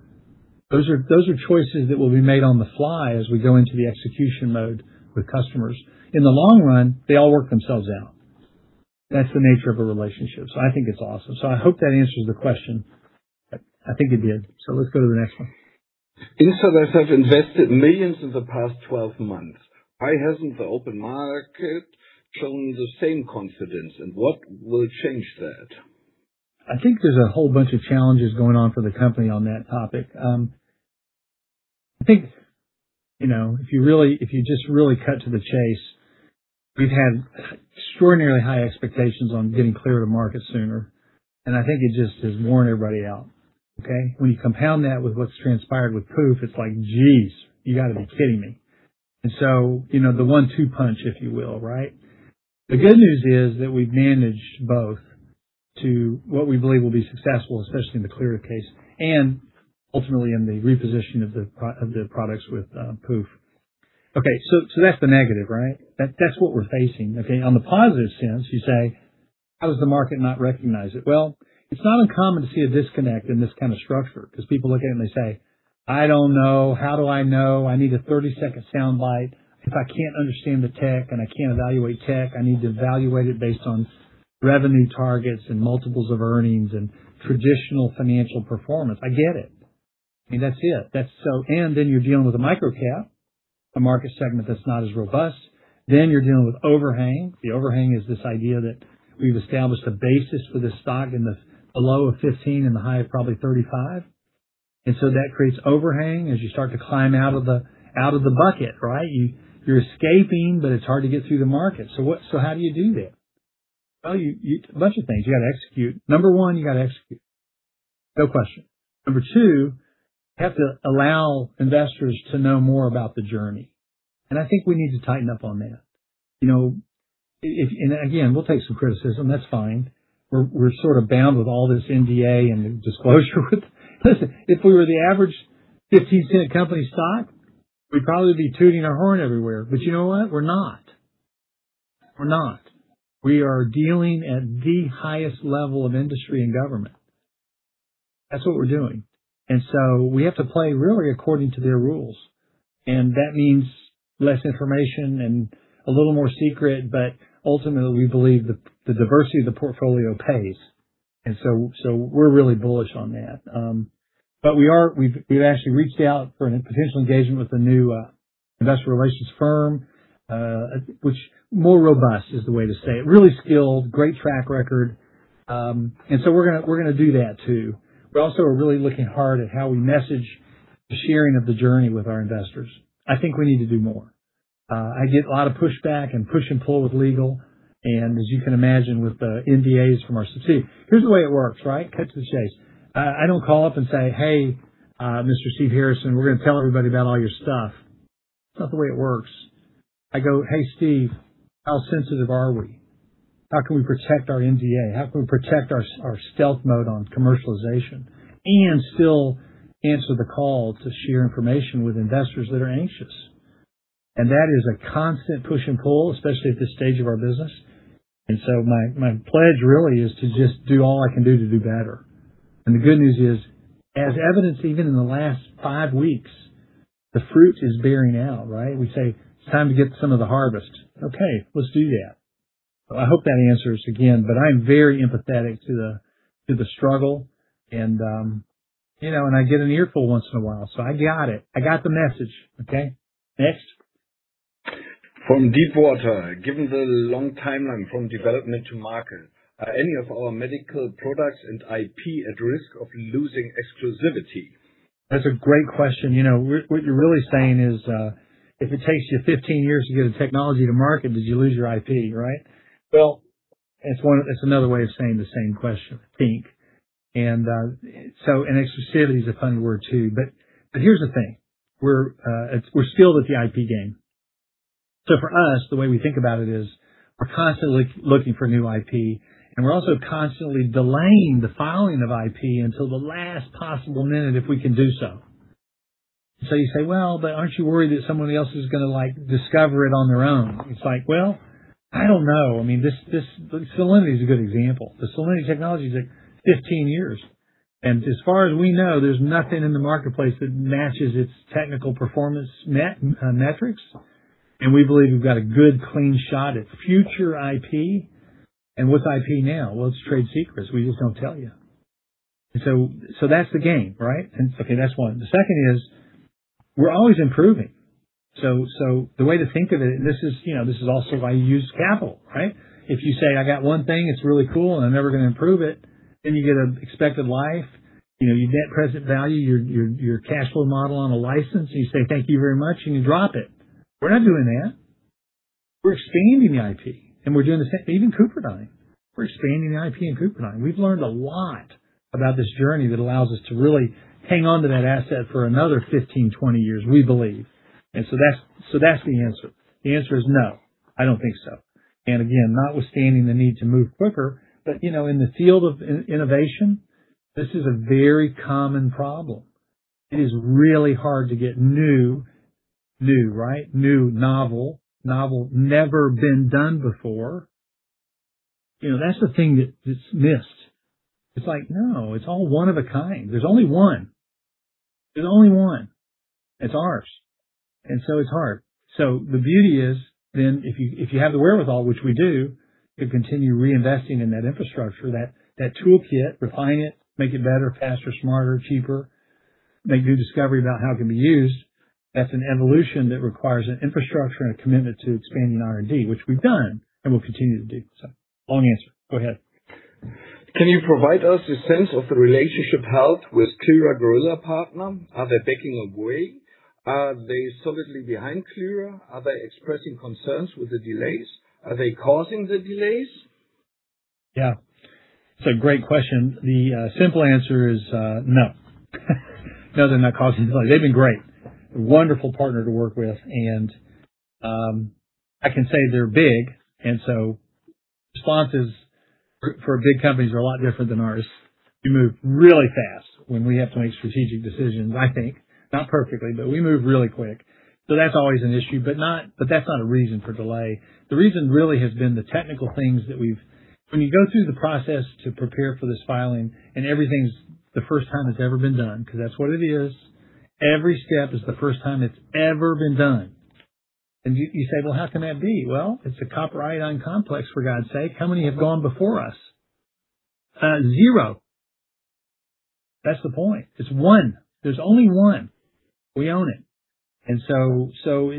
Those are choices that will be made on the fly as we go into the execution mode with customers. In the long run, they all work themselves out. That's the nature of a relationship. I think it's awesome. I hope that answers the question. I think it did. Let's go to the next one. Insiders have invested millions in the past 12 months. Why hasn't the open market shown the same confidence, and what will change that? There's a whole bunch of challenges going on for the company on that topic. I think, if you really, if you just really cut to the chase, we've had extraordinarily high expectations on getting Clyra to market sooner. I think it just has worn everybody out. Okay? When you compound that with what's transpired with Pooph, it's like, geez, you got to be kidding me, so the one-two punch, if you will, right? The good news is that we've managed both to what we believe will be successful, especially in the Clyra case and ultimately in the reposition of the products with Pooph. Okay. That's the negative, right? That's what we're facing. Okay? On the positive sense, you say, how does the market not recognize it? It's not uncommon to see a disconnect in this kind of structure because people look at it and they say, "I don't know. How do I know? I need a 30-second soundbite. If I can't understand the tech and I can't evaluate tech, I need to evaluate it based on revenue targets and multiples of earnings and traditional financial performance." I get it. I mean, that's it. Then you're dealing with a microcap, a market segment that's not as robust. You're dealing with overhang. The overhang is this idea that we've established a basis for this stock in the below of 15 and the high of probably 35. That creates overhang as you start to climb out of the bucket, right? You're escaping, but it's hard to get through the market. How do you do that? Well, a bunch of things you got to execute, number one, you got to execute, no question. Number two, you have to allow investors to know more about the journey, and I think we need to tighten up on that. You know, if, again, we'll take some criticism. That's fine. We're sort of bound with all this NDA and disclosure with Listen, if we were the average $0.15 company stock, we'd probably be tooting our horn everywhere. You know what? We're not. We're not. We are dealing at the highest level of industry and government. That's what we're doing. We have to play really according to their rules. That means less information and a little more secret. Ultimately, we believe the diversity of the portfolio pays. We're really bullish on that. We've actually reached out for potential engagement with a new investor relations firm, which more robust is the way to say it. Really skilled, great track record. We're gonna do that too. We also are really looking hard at how we message the sharing of the journey with our investors. I think we need to do more. I get a lot of pushback and push and pull with legal, and as you can imagine, with the NDAs from our See, here's the way it works, right? Cut to the chase. I don't call up and say, "Hey, Mr. Steve Harrison, we're going to tell everybody about all your stuff." That's not the way it works. I go, "Hey, Steve, how sensitive are we? How can we protect our NDA? How can we protect our stealth mode on commercialization and still answer the call to share information with investors that are anxious? That is a constant push and pull, especially at this stage of our business, and so my pledge really is to just do all I can do to do better. The good news is, as evidenced even in the last five weeks, the fruit is bearing out, right? We say, "It's time to get some of the harvest." Okay, let's do that. I hope that answers again, but I'm very empathetic to the struggle, and I get an earful once in a while. I got it. I got the message. Okay. Next. From Deepwater. Given the long timeline from development to market, are any of our medical products and IP at risk of losing exclusivity? That's a great question. You know, what you're really saying is, if it takes you 15 years to get a technology to market, did you lose your IP, right? Well, it's another way of saying the same question, I think. Exclusivity is a funny word too, but here's the thing. We're still with the IP game. For us, the way we think about it is we're constantly looking for new IP, we're also constantly delaying the filing of IP until the last possible minute, if we can do so. You say, "Well, but aren't you worried that someone else is gonna like discover it on their own?" It's like, well, I don't know. I mean, this Cellinity is a good example. The Cellinity technology is like 15 years. As far as we know, there's nothing in the marketplace that matches its technical performance metrics. We believe we've got a good, clean shot at future IP. What's IP now? Well, it's trade secrets. We just don't tell you, so that's the game, right? Okay, that's one. The second is, we're always improving. So the way to think of it, and this is, you know, this is also why you use capital, right? If you say, "I got one thing, it's really cool, and I'm never gonna improve it," then you get an expected life. You know, you net present value your cash flow model on a license. You say, "Thank you very much," and you drop it. We're not doing that. We're expanding the IP, and we're doing the same even CupriDyne. We're expanding the IP in CupriDyne. We've learned a lot about this journey that allows us to really hang on to that asset for another 15, 20 years, we believe. That's the answer. The answer is no, I don't think so. Again, not withstanding the need to move quicker, in the field of innovation, this is a very common problem. It is really hard to get new, right? New, novel, never been done before, that's the thing that is missed. It's like, no, it's all one of a kind. There's only one. There's only one. It's ours. It's hard. The beauty is then if you have the wherewithal, which we do, to continue reinvesting in that infrastructure, that toolkit, refine it, make it better, faster, smarter, cheaper, make new discovery about how it can be used. That's an evolution that requires an infrastructure and a commitment to expanding R&D, which we've done and will continue to do so. Long answer. Go ahead. Can you provide us a sense of the relationship health with Clyra Gorilla Partner? Are they backing away? Are they solidly behind Clyra? Are they expressing concerns with the delays? Are they causing the delays? Yeah. It's a great question. The simple answer is no. No, they're not causing delays. They've been great. A wonderful partner to work with, and I can say they're big, so responses for big companies are a lot different than ours. We move really fast when we have to make strategic decisions, I think. Not perfectly, but we move really quick. That's always an issue, but that's not a reason for delay. The reason really has been the technical things. When you go through the process to prepare for this filing and everything's the first time it's ever been done, 'cause that's what it is, every step is the first time it's ever been done. You say, "Well, how can that be?" Well, it's a copper ion complex, for God's sake. How many have gone before us? Zero. That's the point. It's one. There's only one. We own it. It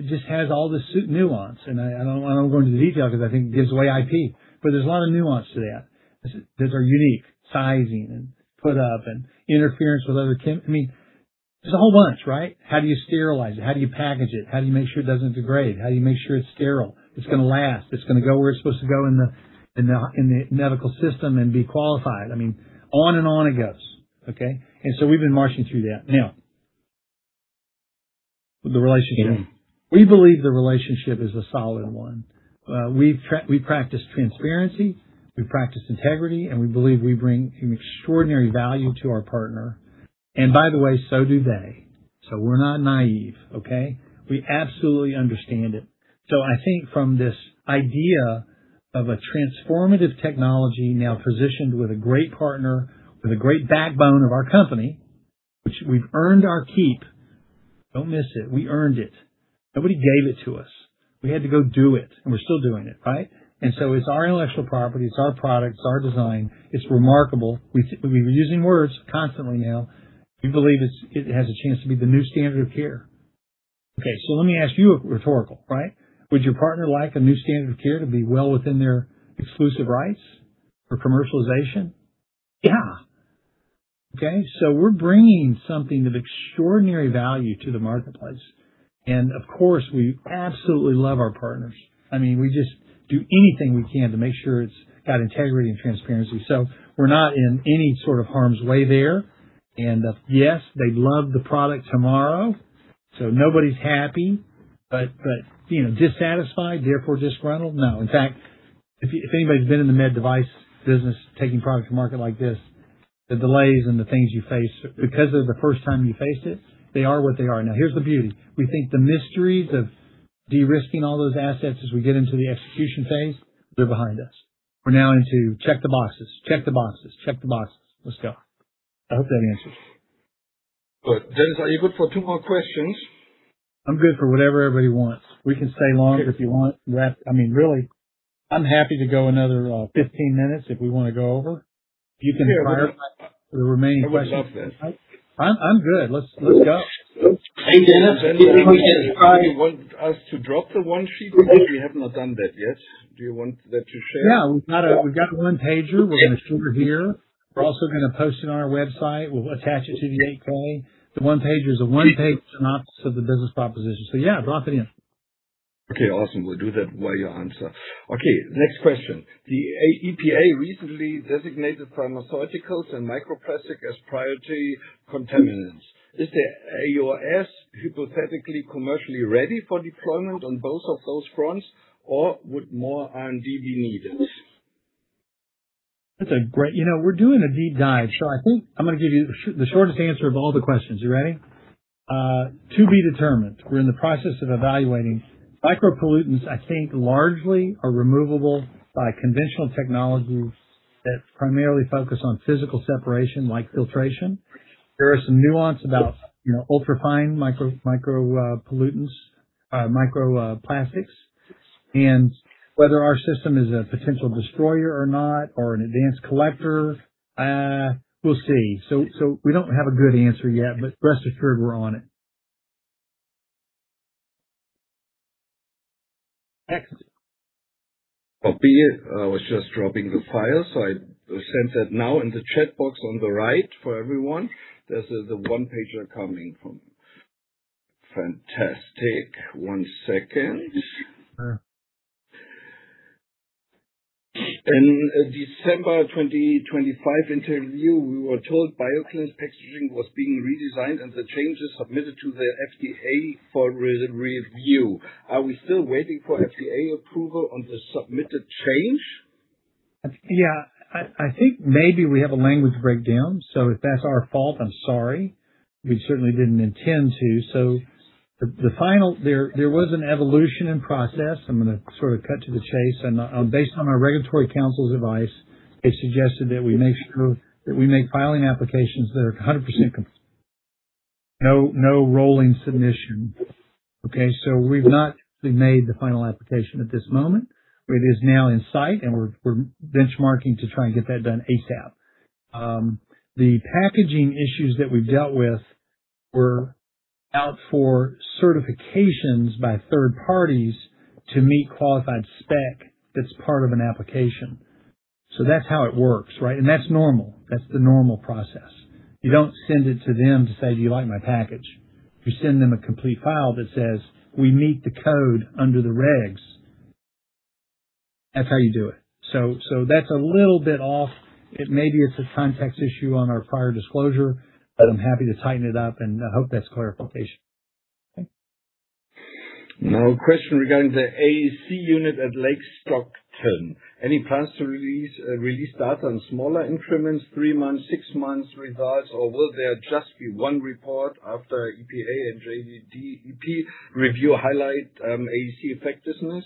just has all this nuance. I don't wanna go into the detail because I think it gives away IP, but there's a lot of nuance to that. These are unique sizing and put up and interference with other. I mean, there's a whole bunch, right? How do you sterilize it? How do you package it? How do you make sure it doesn't degrade? How do you make sure it's sterile? It's gonna last. It's gonna go where it's supposed to go in the medical system and be qualified. I mean, on and on it goes, okay. We've been marching through that. Now The relationship. We believe the relationship is a solid one. We practice transparency, we practice integrity, and we believe we bring extraordinary value to our partner. By the way, so do they. We're not naive, okay? We absolutely understand it. I think from this idea of a transformative technology now positioned with a great partner, with a great backbone of our company, which we've earned our keep. Don't miss it. We earned it, nobody gave it to us, we had to go do it, and we're still doing it, right? It's our intellectual property, it's our product, it's our design. It's remarkable. We've been using words constantly now. We believe it has a chance to be the new standard of care. Okay, let me ask you a rhetorical, right? Would your partner like a new standard of care to be well within their exclusive rights for commercialization? Yeah. Okay? We're bringing something of extraordinary value to the marketplace. Of course, we absolutely love our partners. I mean, we just do anything we can to make sure it's got integrity and transparency. We're not in any sort of harm's way there. Yes, they love the product tomorrow. Nobody's happy, but, dissatisfied, therefore disgruntled? No. In fact, if anybody's been in the med device business taking products to market like this, the delays and the things you face because they're the first time you faced it, they are what they are. Here's the beauty. We think the mysteries of de-risking all those assets as we get into the execution phase, they're behind us. We're now into check the boxes, check the boxes, check the boxes. Let's go. I hope that answers. Good. Dennis, are you good for two more questions? I'm good for whatever everybody wants. We can stay longer if you want. I mean, really, I'm happy to go another 15 minutes if we wanna go over. If you can fire up the remaining questions. I would love that. I'm good. Let's go. Hey, Dennis. Yes. Do you want us to drop the one-sheet? We have not done that yet. Do you want that to share? We've got the one-pager we're gonna shoot over here. We're also gonna post it on our website. We'll attach it to the 8-K. The one-pager is a one-page synopsis of the business proposition. Drop it in. Okay, awesome. We'll do that while you answer. Okay, next question. The EPA recently designated pharmaceuticals and microplastic as priority contaminants. Is the AOS hypothetically commercially ready for deployment on both of those fronts, or would more R&D be needed? That's a great, we're doing a deep dive, I think I'm gonna give you the shortest answer of all the questions. You ready? To be determined. We're in the process of evaluating. Micropollutants, I think, largely are removable by conventional technologies that primarily focus on physical separation, like filtration. There are some nuance about, ultra fine micro pollutants, micro plastics. Whether our system is a potential destroyer or not or an advanced collector, we'll see. We don't have a good answer yet, but rest assured we're on it. Excellent. Copy. I was just dropping the file, so I sent that now in the chat box on the right for everyone. This is the one-pager coming from Fantastic. One second. Sure. In a December 2025 interview, we were told ViaClyr packaging was being redesigned and the changes submitted to the FDA for re-review. Are we still waiting for FDA approval on the submitted change? Maybe we have a language breakdown, so if that's our fault, I'm sorry. We certainly didn't intend to. There was an evolution in process, I'm going to sort of cut to the chase. Based on our regulatory counsel's advice, they suggested that we make filing applications that are 100% complete. No rolling submission. Okay? We've not actually made the final application at this moment, but it is now in sight, and we're benchmarking to try and get that done ASAP. The packaging issues that we've dealt with were out for certifications by third parties to meet qualified spec that's part of an application. That's how it works, right? That's normal. That's the normal process. You don't send it to them to say, "Do you like my package?" You send them a complete file that says, "We meet the code under the regs." That's how you do it. That's a little bit off. Maybe it's a context issue on our prior disclosure, but I'm happy to tighten it up, and I hope that's clarification. Okay. Now a question regarding the AEC unit at Stockton Lake. Any plans to release data on smaller increments, three months, six months results, or will there just be one report after EPA and NJDEP review highlight AEC effectiveness?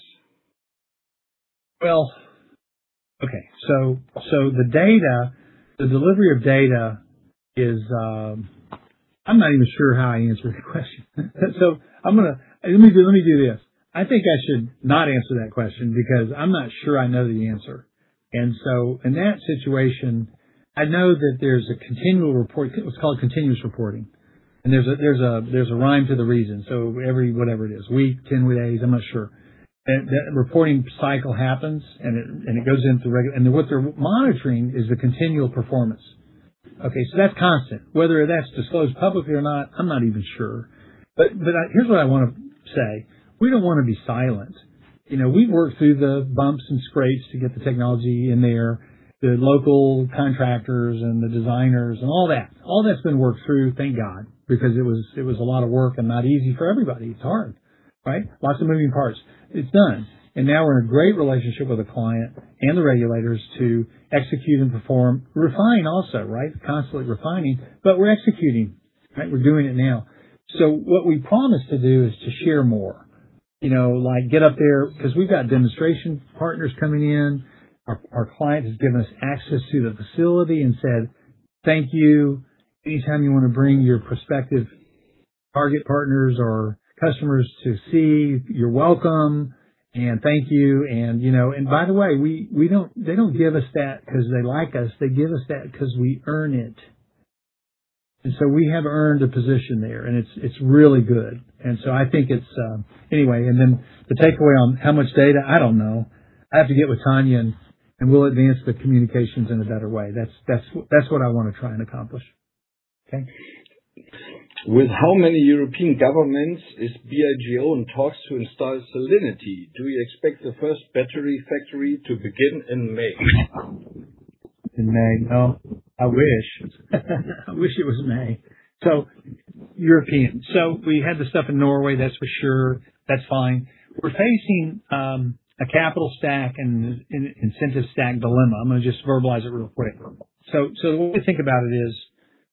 Well, okay. The data, the delivery of data is, I'm not even sure how I answer the question. Let me do this. I think I should not answer that question because I'm not sure I know the answer. In that situation, I know that there's a continual report, it was called continuous reporting. There's a rhyme to the reason, so every whatever it is, week, 10 days, I'm not sure. That reporting cycle happens, and it goes into reg, and what they're monitoring is the continual performance. Okay, that's constant. Whether that's disclosed publicly or not, I'm not even sure. Here's what I wanna say. We don't wanna be silent. You know, we've worked through the bumps and scrapes to get the technology in there, the local contractors and the designers and all that. All that's been worked through, thank God, because it was, it was a lot of work and not easy for everybody. It's hard, right? Lots of moving parts. It's done. Now we're in great relationship with the client and the regulators to execute and perform, refine also, right? Constantly refining. We're executing, right? We're doing it now. What we promise to do is to share more, like get up there 'cause we've got demonstration partners coming in. Our client has given us access to the facility and said, "Thank you. Anytime you wanna bring your prospective target partners or customers to see, you're welcome. Thank you." They don't give us that 'cause they like us. They give us that 'cause we earn it. We have earned a position there, and it's really good. I think it's the takeaway on how much data, I don't know. I have to get with Tonya, and we'll advance the communications in a better way. That's what I wanna try and accomplish. Okay. With how many European governments is BioLargo in talks to install Cellinity? Do you expect the first battery factory to begin in May? In May? No. I wish. I wish it was May. European, we had the stuff in Norway, that's for sure. That's fine. We're facing a capital stack and an incentive stack dilemma. I'm gonna just verbalize it real quick. The way we think about it is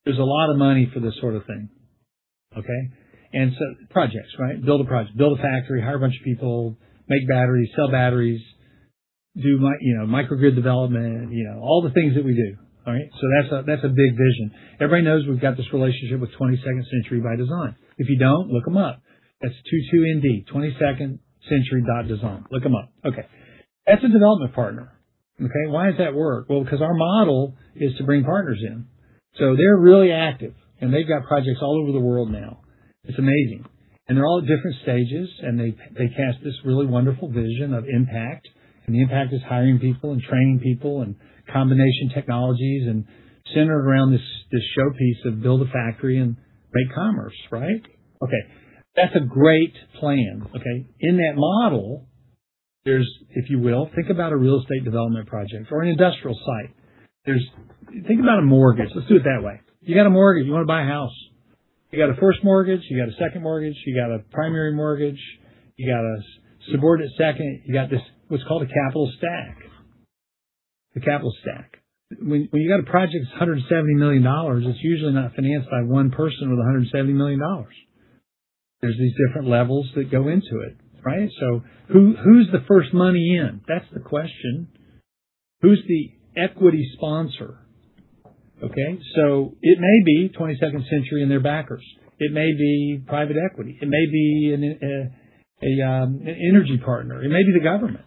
there's a lot of money for this sort of thing, okay? Projects, right? Build a project, build a factory, hire a bunch of people, make batteries, sell batteries, do you know, microgrid development, all the things that we do. All right? That's a, that's a big vision. Everybody knows we've got this relationship with 22nd Century Design. If you don't, look them up. That's 22nd, twentysecondcentury.design. Look them up. Okay. That's a development partner. Okay? Why does that work? Well, 'cause our model is to bring partners in. They're really active, and they've got projects all over the world now. It's amazing. They're all at different stages, and they cast this really wonderful vision of impact. The impact is hiring people and training people and combination technologies and centered around this showpiece of build a factory and make commerce, right? Okay. That's a great plan. Okay. In that model, think about a real estate development project or an industrial site. Think about a mortgage. Let's do it that way. You got a mortgage, you want to buy a house. You got a first mortgage, you got a second mortgage, you got a primary mortgage, you got a subordinate second. You got this, what's called a capital stack. The capital stack. When you got a project that's $170 million, it's usually not financed by one person with $170 million. There's these different levels that go into it, right? That's the question. Who's the equity sponsor? Okay. It may be 22nd Century and their backers. It may be private equity. It may be an energy partner. It may be the government.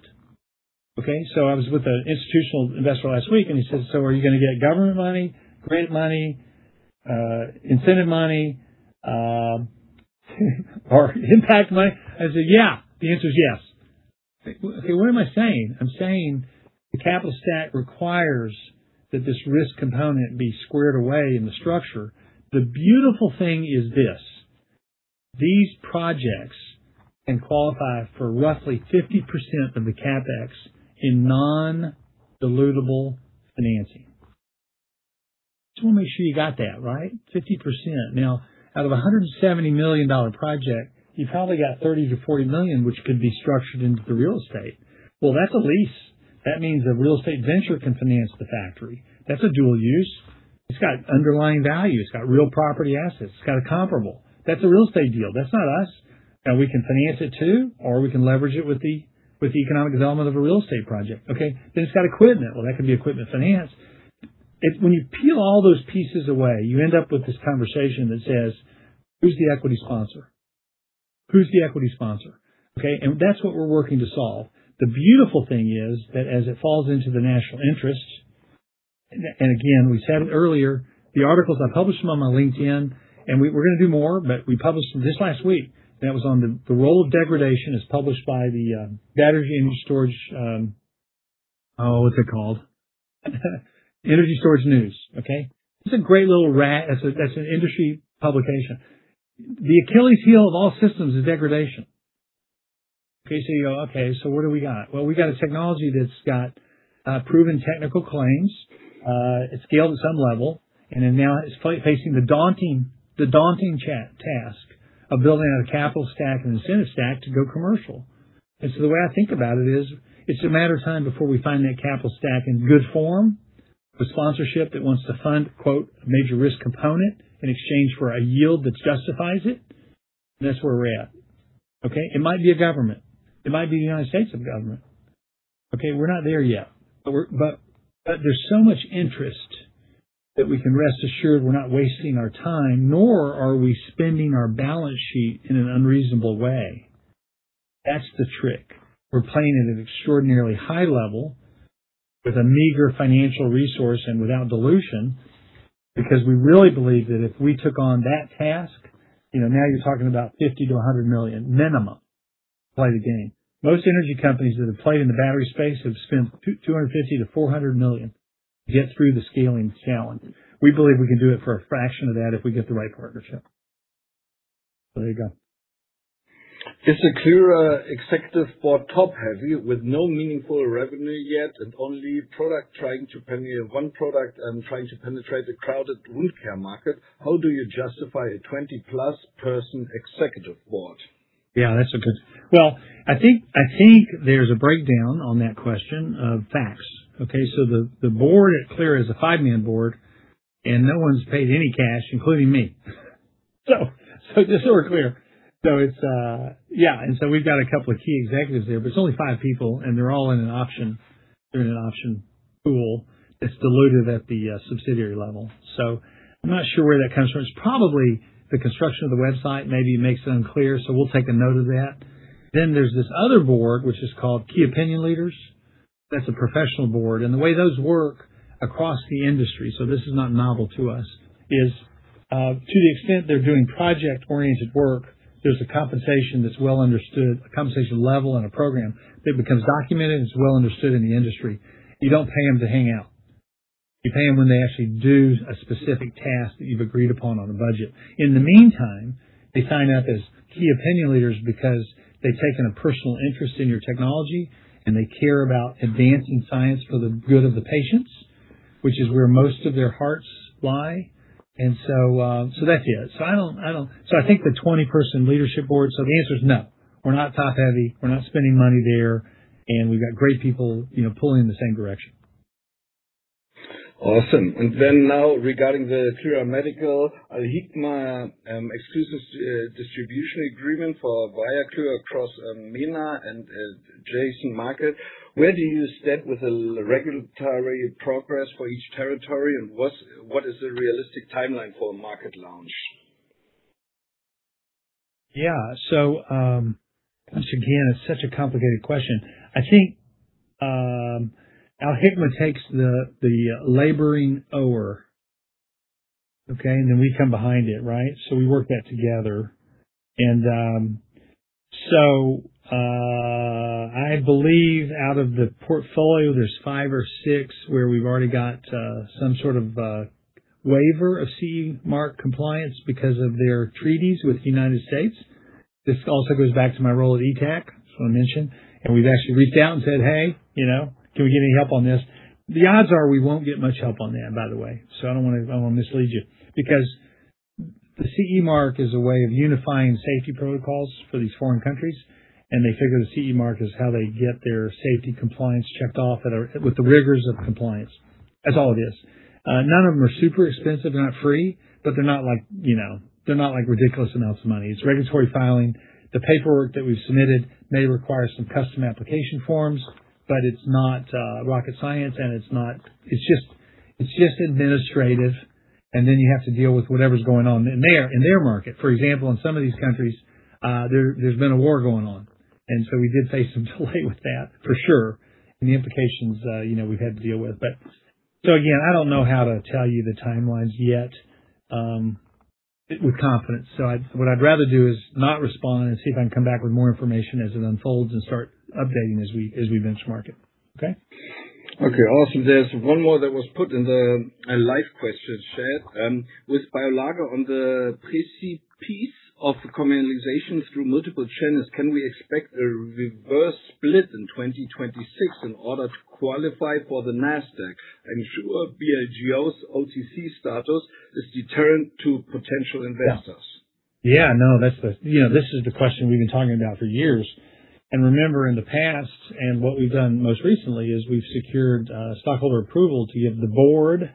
Okay. I was with an institutional investor last week, and he says, "Are you gonna get government money, grant money, incentive money, or impact money?" I said, "Yeah." The answer is yes. Okay, what am I saying? I'm saying the capital stack requires that this risk component be squared away in the structure. The beautiful thing is this, these projects can qualify for roughly 50% of the CapEx in non-dilutable financing. Just wanna make sure you got that, right? 50%. Out of a $170 million project, you probably got $30 million-$40 million, which could be structured into the real estate. Well, that's a lease. That means a real estate venture can finance the factory. That's a dual use. It's got underlying value. It's got real property assets. It's got a comparable. That's a real estate deal. That's not us. We can finance it too, or we can leverage it with the economic development of a real estate project. Okay? It's got equipment. Well, that can be equipment finance. When you peel all those pieces away, you end up with this conversation that says, "Who's the equity sponsor? Who's the equity sponsor?" Okay? That's what we're working to solve. The beautiful thing is that as it falls into the national interest, again, we said it earlier, the articles, I published them on my LinkedIn, and we're gonna do more, but we published this last week. That was on the role of degradation as published by the battery energy storage, what's it called? Energy Storage News. Okay. It's a great little read. That's an industry publication. The Achilles heel of all systems is degradation. Okay. You go, "Okay, what do we got?" Well, we got a technology that's got proven technical claims. It's scaled at some level, and it now is facing the daunting task of building out a capital stack and incentive stack to go commercial. The way I think about it is, it's a matter of time before we find that capital stack in good form with sponsorship that wants to fund, quote, "a major risk component in exchange for a yield that justifies it." That's where we're at. Okay? It might be a government. It might be the United States of government. Okay? We're not there yet, but there's so much interest that we can rest assured we're not wasting our time, nor are we spending our balance sheet in an unreasonable way. That's the trick. We're playing at an extraordinarily high level with a meager financial resource and without dilution because we really believe that if we took on that task, now you're talking about $50 million to $100 million minimum to play the game. Most energy companies that have played in the battery space have spent $250 million to $400 million to get through the scaling challenge. We believe we can do it for a fraction of that if we get the right partnership. There you go. Is the Clyra executive board top-heavy with no meaningful revenue yet and only one product trying to penetrate the crowded wound care market? How do you justify a 20+ person executive board? Well, I think there's a breakdown on that question of facts. Okay? The board at Clyra is a five-man board, and no one's paid any cash, including me. Just so we're clear. It's, yeah. We've got a couple of key executives there, but it's only five people, and they're all in an option. They're in an option pool that's diluted at the subsidiary level. I'm not sure where that comes from. It's probably the construction of the website maybe makes it unclear. We'll take a note of that. There's this other board which is called Key Opinion Leaders. That's a professional board. The way those work across the industry, this is not novel to us, is to the extent they're doing project-oriented work, there's a compensation that's well understood, a compensation level and a program that becomes documented and is well understood in the industry. You don't pay them to hang out. You pay them when they actually do a specific task that you've agreed upon on a budget. In the meantime, they sign up as Key Opinion Leaders because they've taken a personal interest in your technology, and they care about advancing science for the good of the patients, which is where most of their hearts lie. That's it. I think the 20-person leadership board. The answer is no. We're not top-heavy, we're not spending money there, and we've got great people, you know, pulling in the same direction. Awesome. Now regarding the Clyra Medical and Al-Hikma FZCO, exclusive distribution agreement for ViaClyr across MENA and adjacent market. Where do you stand with the regulatory progress for each territory, and what is the realistic timeline for market launch? Yeah. Once again, it's such a complicated question. I think Al-Hikma FZCO takes the laboring oar. Okay. Then we come behind it, right? We work that together. I believe out of the portfolio, there's five or six where we've already got some sort of a waiver of CE mark compliance because of their treaties with the U.S. This also goes back to my role at ETAC, as I mentioned, and we've actually reached out and said, "Hey, you know, can we get any help on this?" The odds are we won't get much help on that, by the way. I don't wanna mislead you. The CE mark is a way of unifying safety protocols for these foreign countries, and they figure the CE mark is how they get their safety compliance checked off with the rigors of compliance. That's all it is. None of them are super expensive. They're not free, but they're not like ridiculous amounts of money. It's regulatory filing. The paperwork that we've submitted may require some custom application forms, but it's not rocket science, and it's just administrative. You have to deal with whatever's going on in their, in their market. For example, in some of these countries, there's been a war going on. We did face some delay with that for sure. The implications, you know, we've had to deal with. Again, I don't know how to tell you the timelines yet with confidence. What I'd rather do is not respond and see if I can come back with more information as it unfolds and start updating as we benchmark it. Okay? Okay, awesome. There's one more that was put in the live question chat. With BioLargo on the precipice of the commercialization through multiple channels, can we expect a reverse split in 2026 in order to qualify for the Nasdaq? Should BioLargo's OTC status is deterrent to potential investors? Yeah. Yeah, no, that's You know, this is the question we've been talking about for years. Remember in the past, and what we've done most recently is we've secured stockholder approval to give the board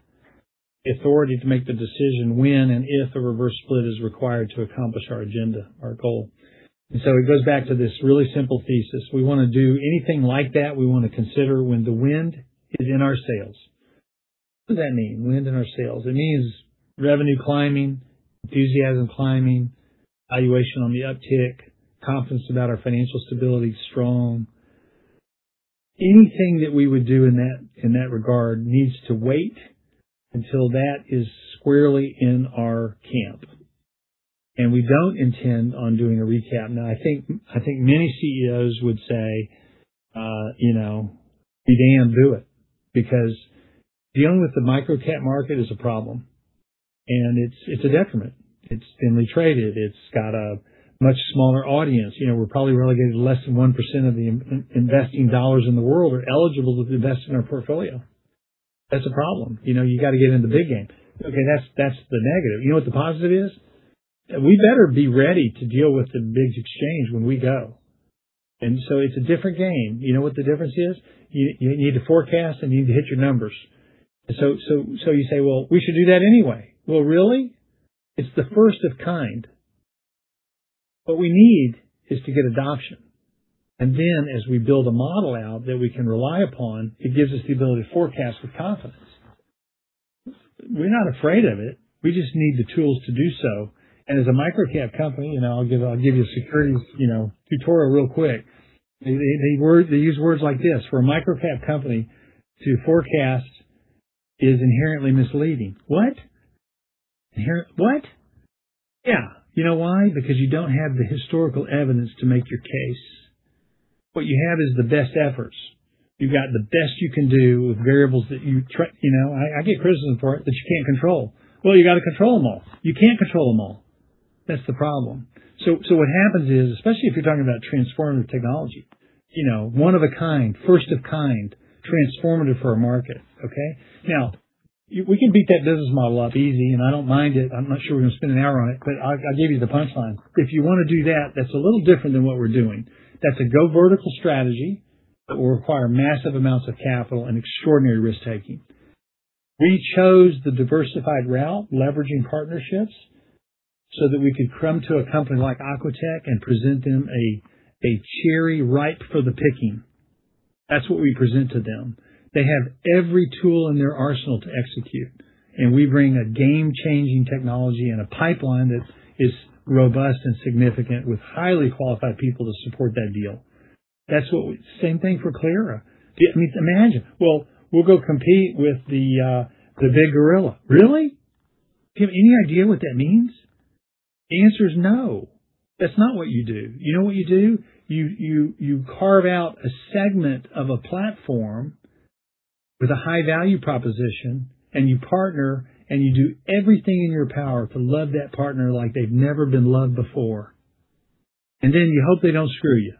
authority to make the decision when and if a reverse split is required to accomplish our agenda, our goal. It goes back to this really simple thesis. We wanna do anything like that, we wanna consider when the wind is in our sails. What does that mean, wind in our sails? It means revenue climbing, enthusiasm climbing, valuation on the uptick, confidence about our financial stability is strong. Anything that we would do in that regard needs to wait until that is squarely in our camp. We don't intend on doing a recap. Now, I think many CEOs would say, you know, "Be damned, do it." Dealing with the micro-cap market is a problem, and it's a detriment. It's thinly traded. It's got a much smaller audience. You know, we're probably relegated to less than 1% of the in-investing dollars in the world are eligible to invest in our portfolio. That's a problem. You know, you gotta get in the big game. Okay, that's the negative. You know what the positive is? We better be ready to deal with the big exchange when we go. It's a different game. You know what the difference is? You need to forecast and you need to hit your numbers. You say, "Well, we should do that anyway." Well, really? It's the first of kind. What we need is to get adoption. As we build a model out that we can rely upon, it gives us the ability to forecast with confidence. We're not afraid of it. We just need the tools to do so. As a micro-cap company, I'll give you a securities, tutorial real quick. They use words like this. For a micro-cap company to forecast is inherently misleading. What? What? Yeah. You know why? Because you don't have the historical evidence to make your case. What you have is the best efforts. You've got the best you can do with variables. You know, I get criticism for it, that you can't control. You gotta control them all. You can't control them all. That's the problem. What happens is, especially if you're talking about transformative technology, you know, one of a kind, first of kind, transformative for a market. We can beat that business model up easy. I don't mind it. I'm not sure we're going to spend an hour on it. I'll give you the punchline. If you want to do that's a little different than what we're doing. That's a go vertical strategy that will require massive amounts of capital and extraordinary risk-taking. We chose the diversified route, leveraging partnerships, so that we could come to a company like Aquatech and present them a cherry ripe for the picking. That's what we present to them. They have every tool in their arsenal to execute. We bring a game-changing technology and a pipeline that is robust and significant with highly qualified people to support that deal. That's what. Same thing for Clyra. I mean, imagine, well, we'll go compete with the big gorilla. Really? Do you have any idea what that means? The answer is no. That's not what you do. You know what you do? You carve out a segment of a platform with a high value proposition, and you partner, and you do everything in your power to love that partner like they've never been loved before. Then you hope they don't screw you.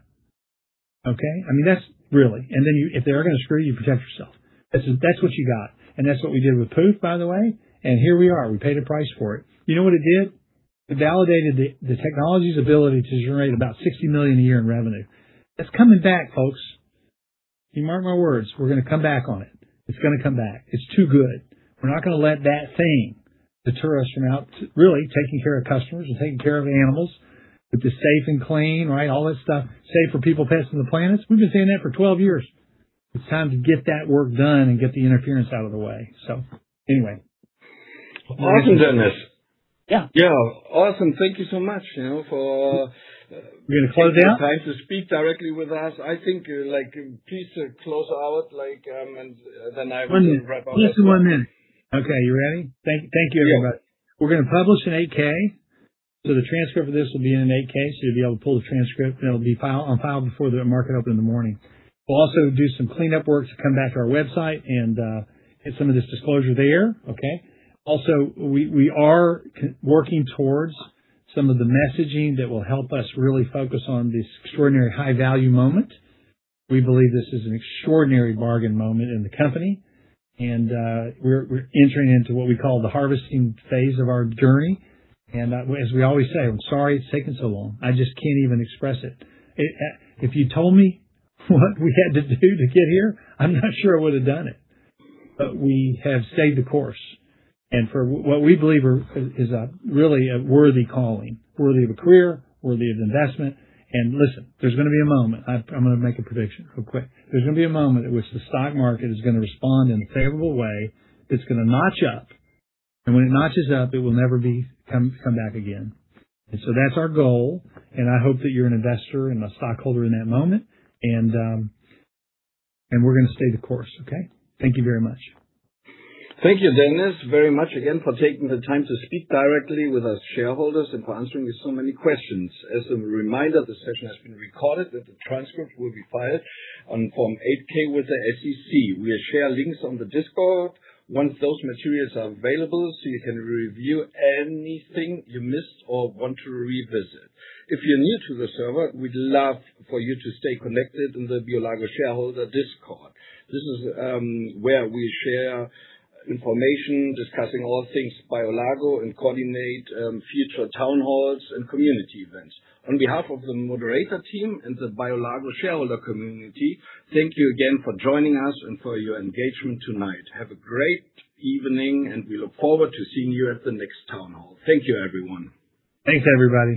Okay? I mean, that's really. Then if they are gonna screw you, protect yourself. That's what you got. That's what we did with Pooph, by the way, and here we are. We paid a price for it. You know what it did? It validated the technology's ability to generate about $60 million a year in revenue. It's coming back, folks. You mark my words, we're gonna come back on it. It's gonna come back. It's too good. We're not gonna let that thing deter us from out really taking care of customers and taking care of the animals. With the safe and clean, right? All that stuff. Safe for people, pets, and the planets. We've been saying that for 12 years. It's time to get that work done and get the interference out of the way. Anyway. Awesome, Dennis. Yeah. Yeah. Awesome. Thank you so much, you know. We gonna close out? Taking the time to speak directly with us. I think, like, please close out, like, and then I will wrap up. One minute. Less than 1 minute. Okay. You ready? Thank you, everybody. We're gonna publish an 8-K. The transcript of this will be in an 8-K. You'll be able to pull the transcript. That'll be on file before the market open in the morning. We'll also do some cleanup work to come back to our website and hit some of this disclosure there, okay. We are working towards some of the messaging that will help us really focus on this extraordinary high-value moment. We believe this is an extraordinary bargain moment in the company, we're entering into what we call the harvesting phase of our journey. As we always say, I'm sorry it's taken so long. I just can't even express it. If you told me what we had to do to get here, I'm not sure I would've done it. We have stayed the course and for what we believe is a really worthy calling, worthy of a career, worthy of investment. Listen, there's gonna be a moment. I'm gonna make a prediction real quick. There's gonna be a moment at which the stock market is gonna respond in a favorable way that's gonna notch up. When it notches up, it will never come back again. That's our goal, and I hope that you're an investor and a stockholder in that moment. We're gonna stay the course, okay? Thank you very much. Thank you, Dennis, very much again for taking the time to speak directly with us shareholders and for answering so many questions. As a reminder, this session has been recorded, and the transcript will be filed on Form 8-K with the SEC. We'll share links on the Discord once those materials are available, so you can review anything you missed or want to revisit. If you're new to the server, we'd love for you to stay connected in the BioLargo shareholder Discord. This is where we share information discussing all things BioLargo and coordinate future town halls and community events. On behalf of the moderator team and the BioLargo shareholder community, thank you again for joining us and for your engagement tonight. Have a great evening. We look forward to seeing you at the next town hall. Thank you, everyone. Thanks, everybody.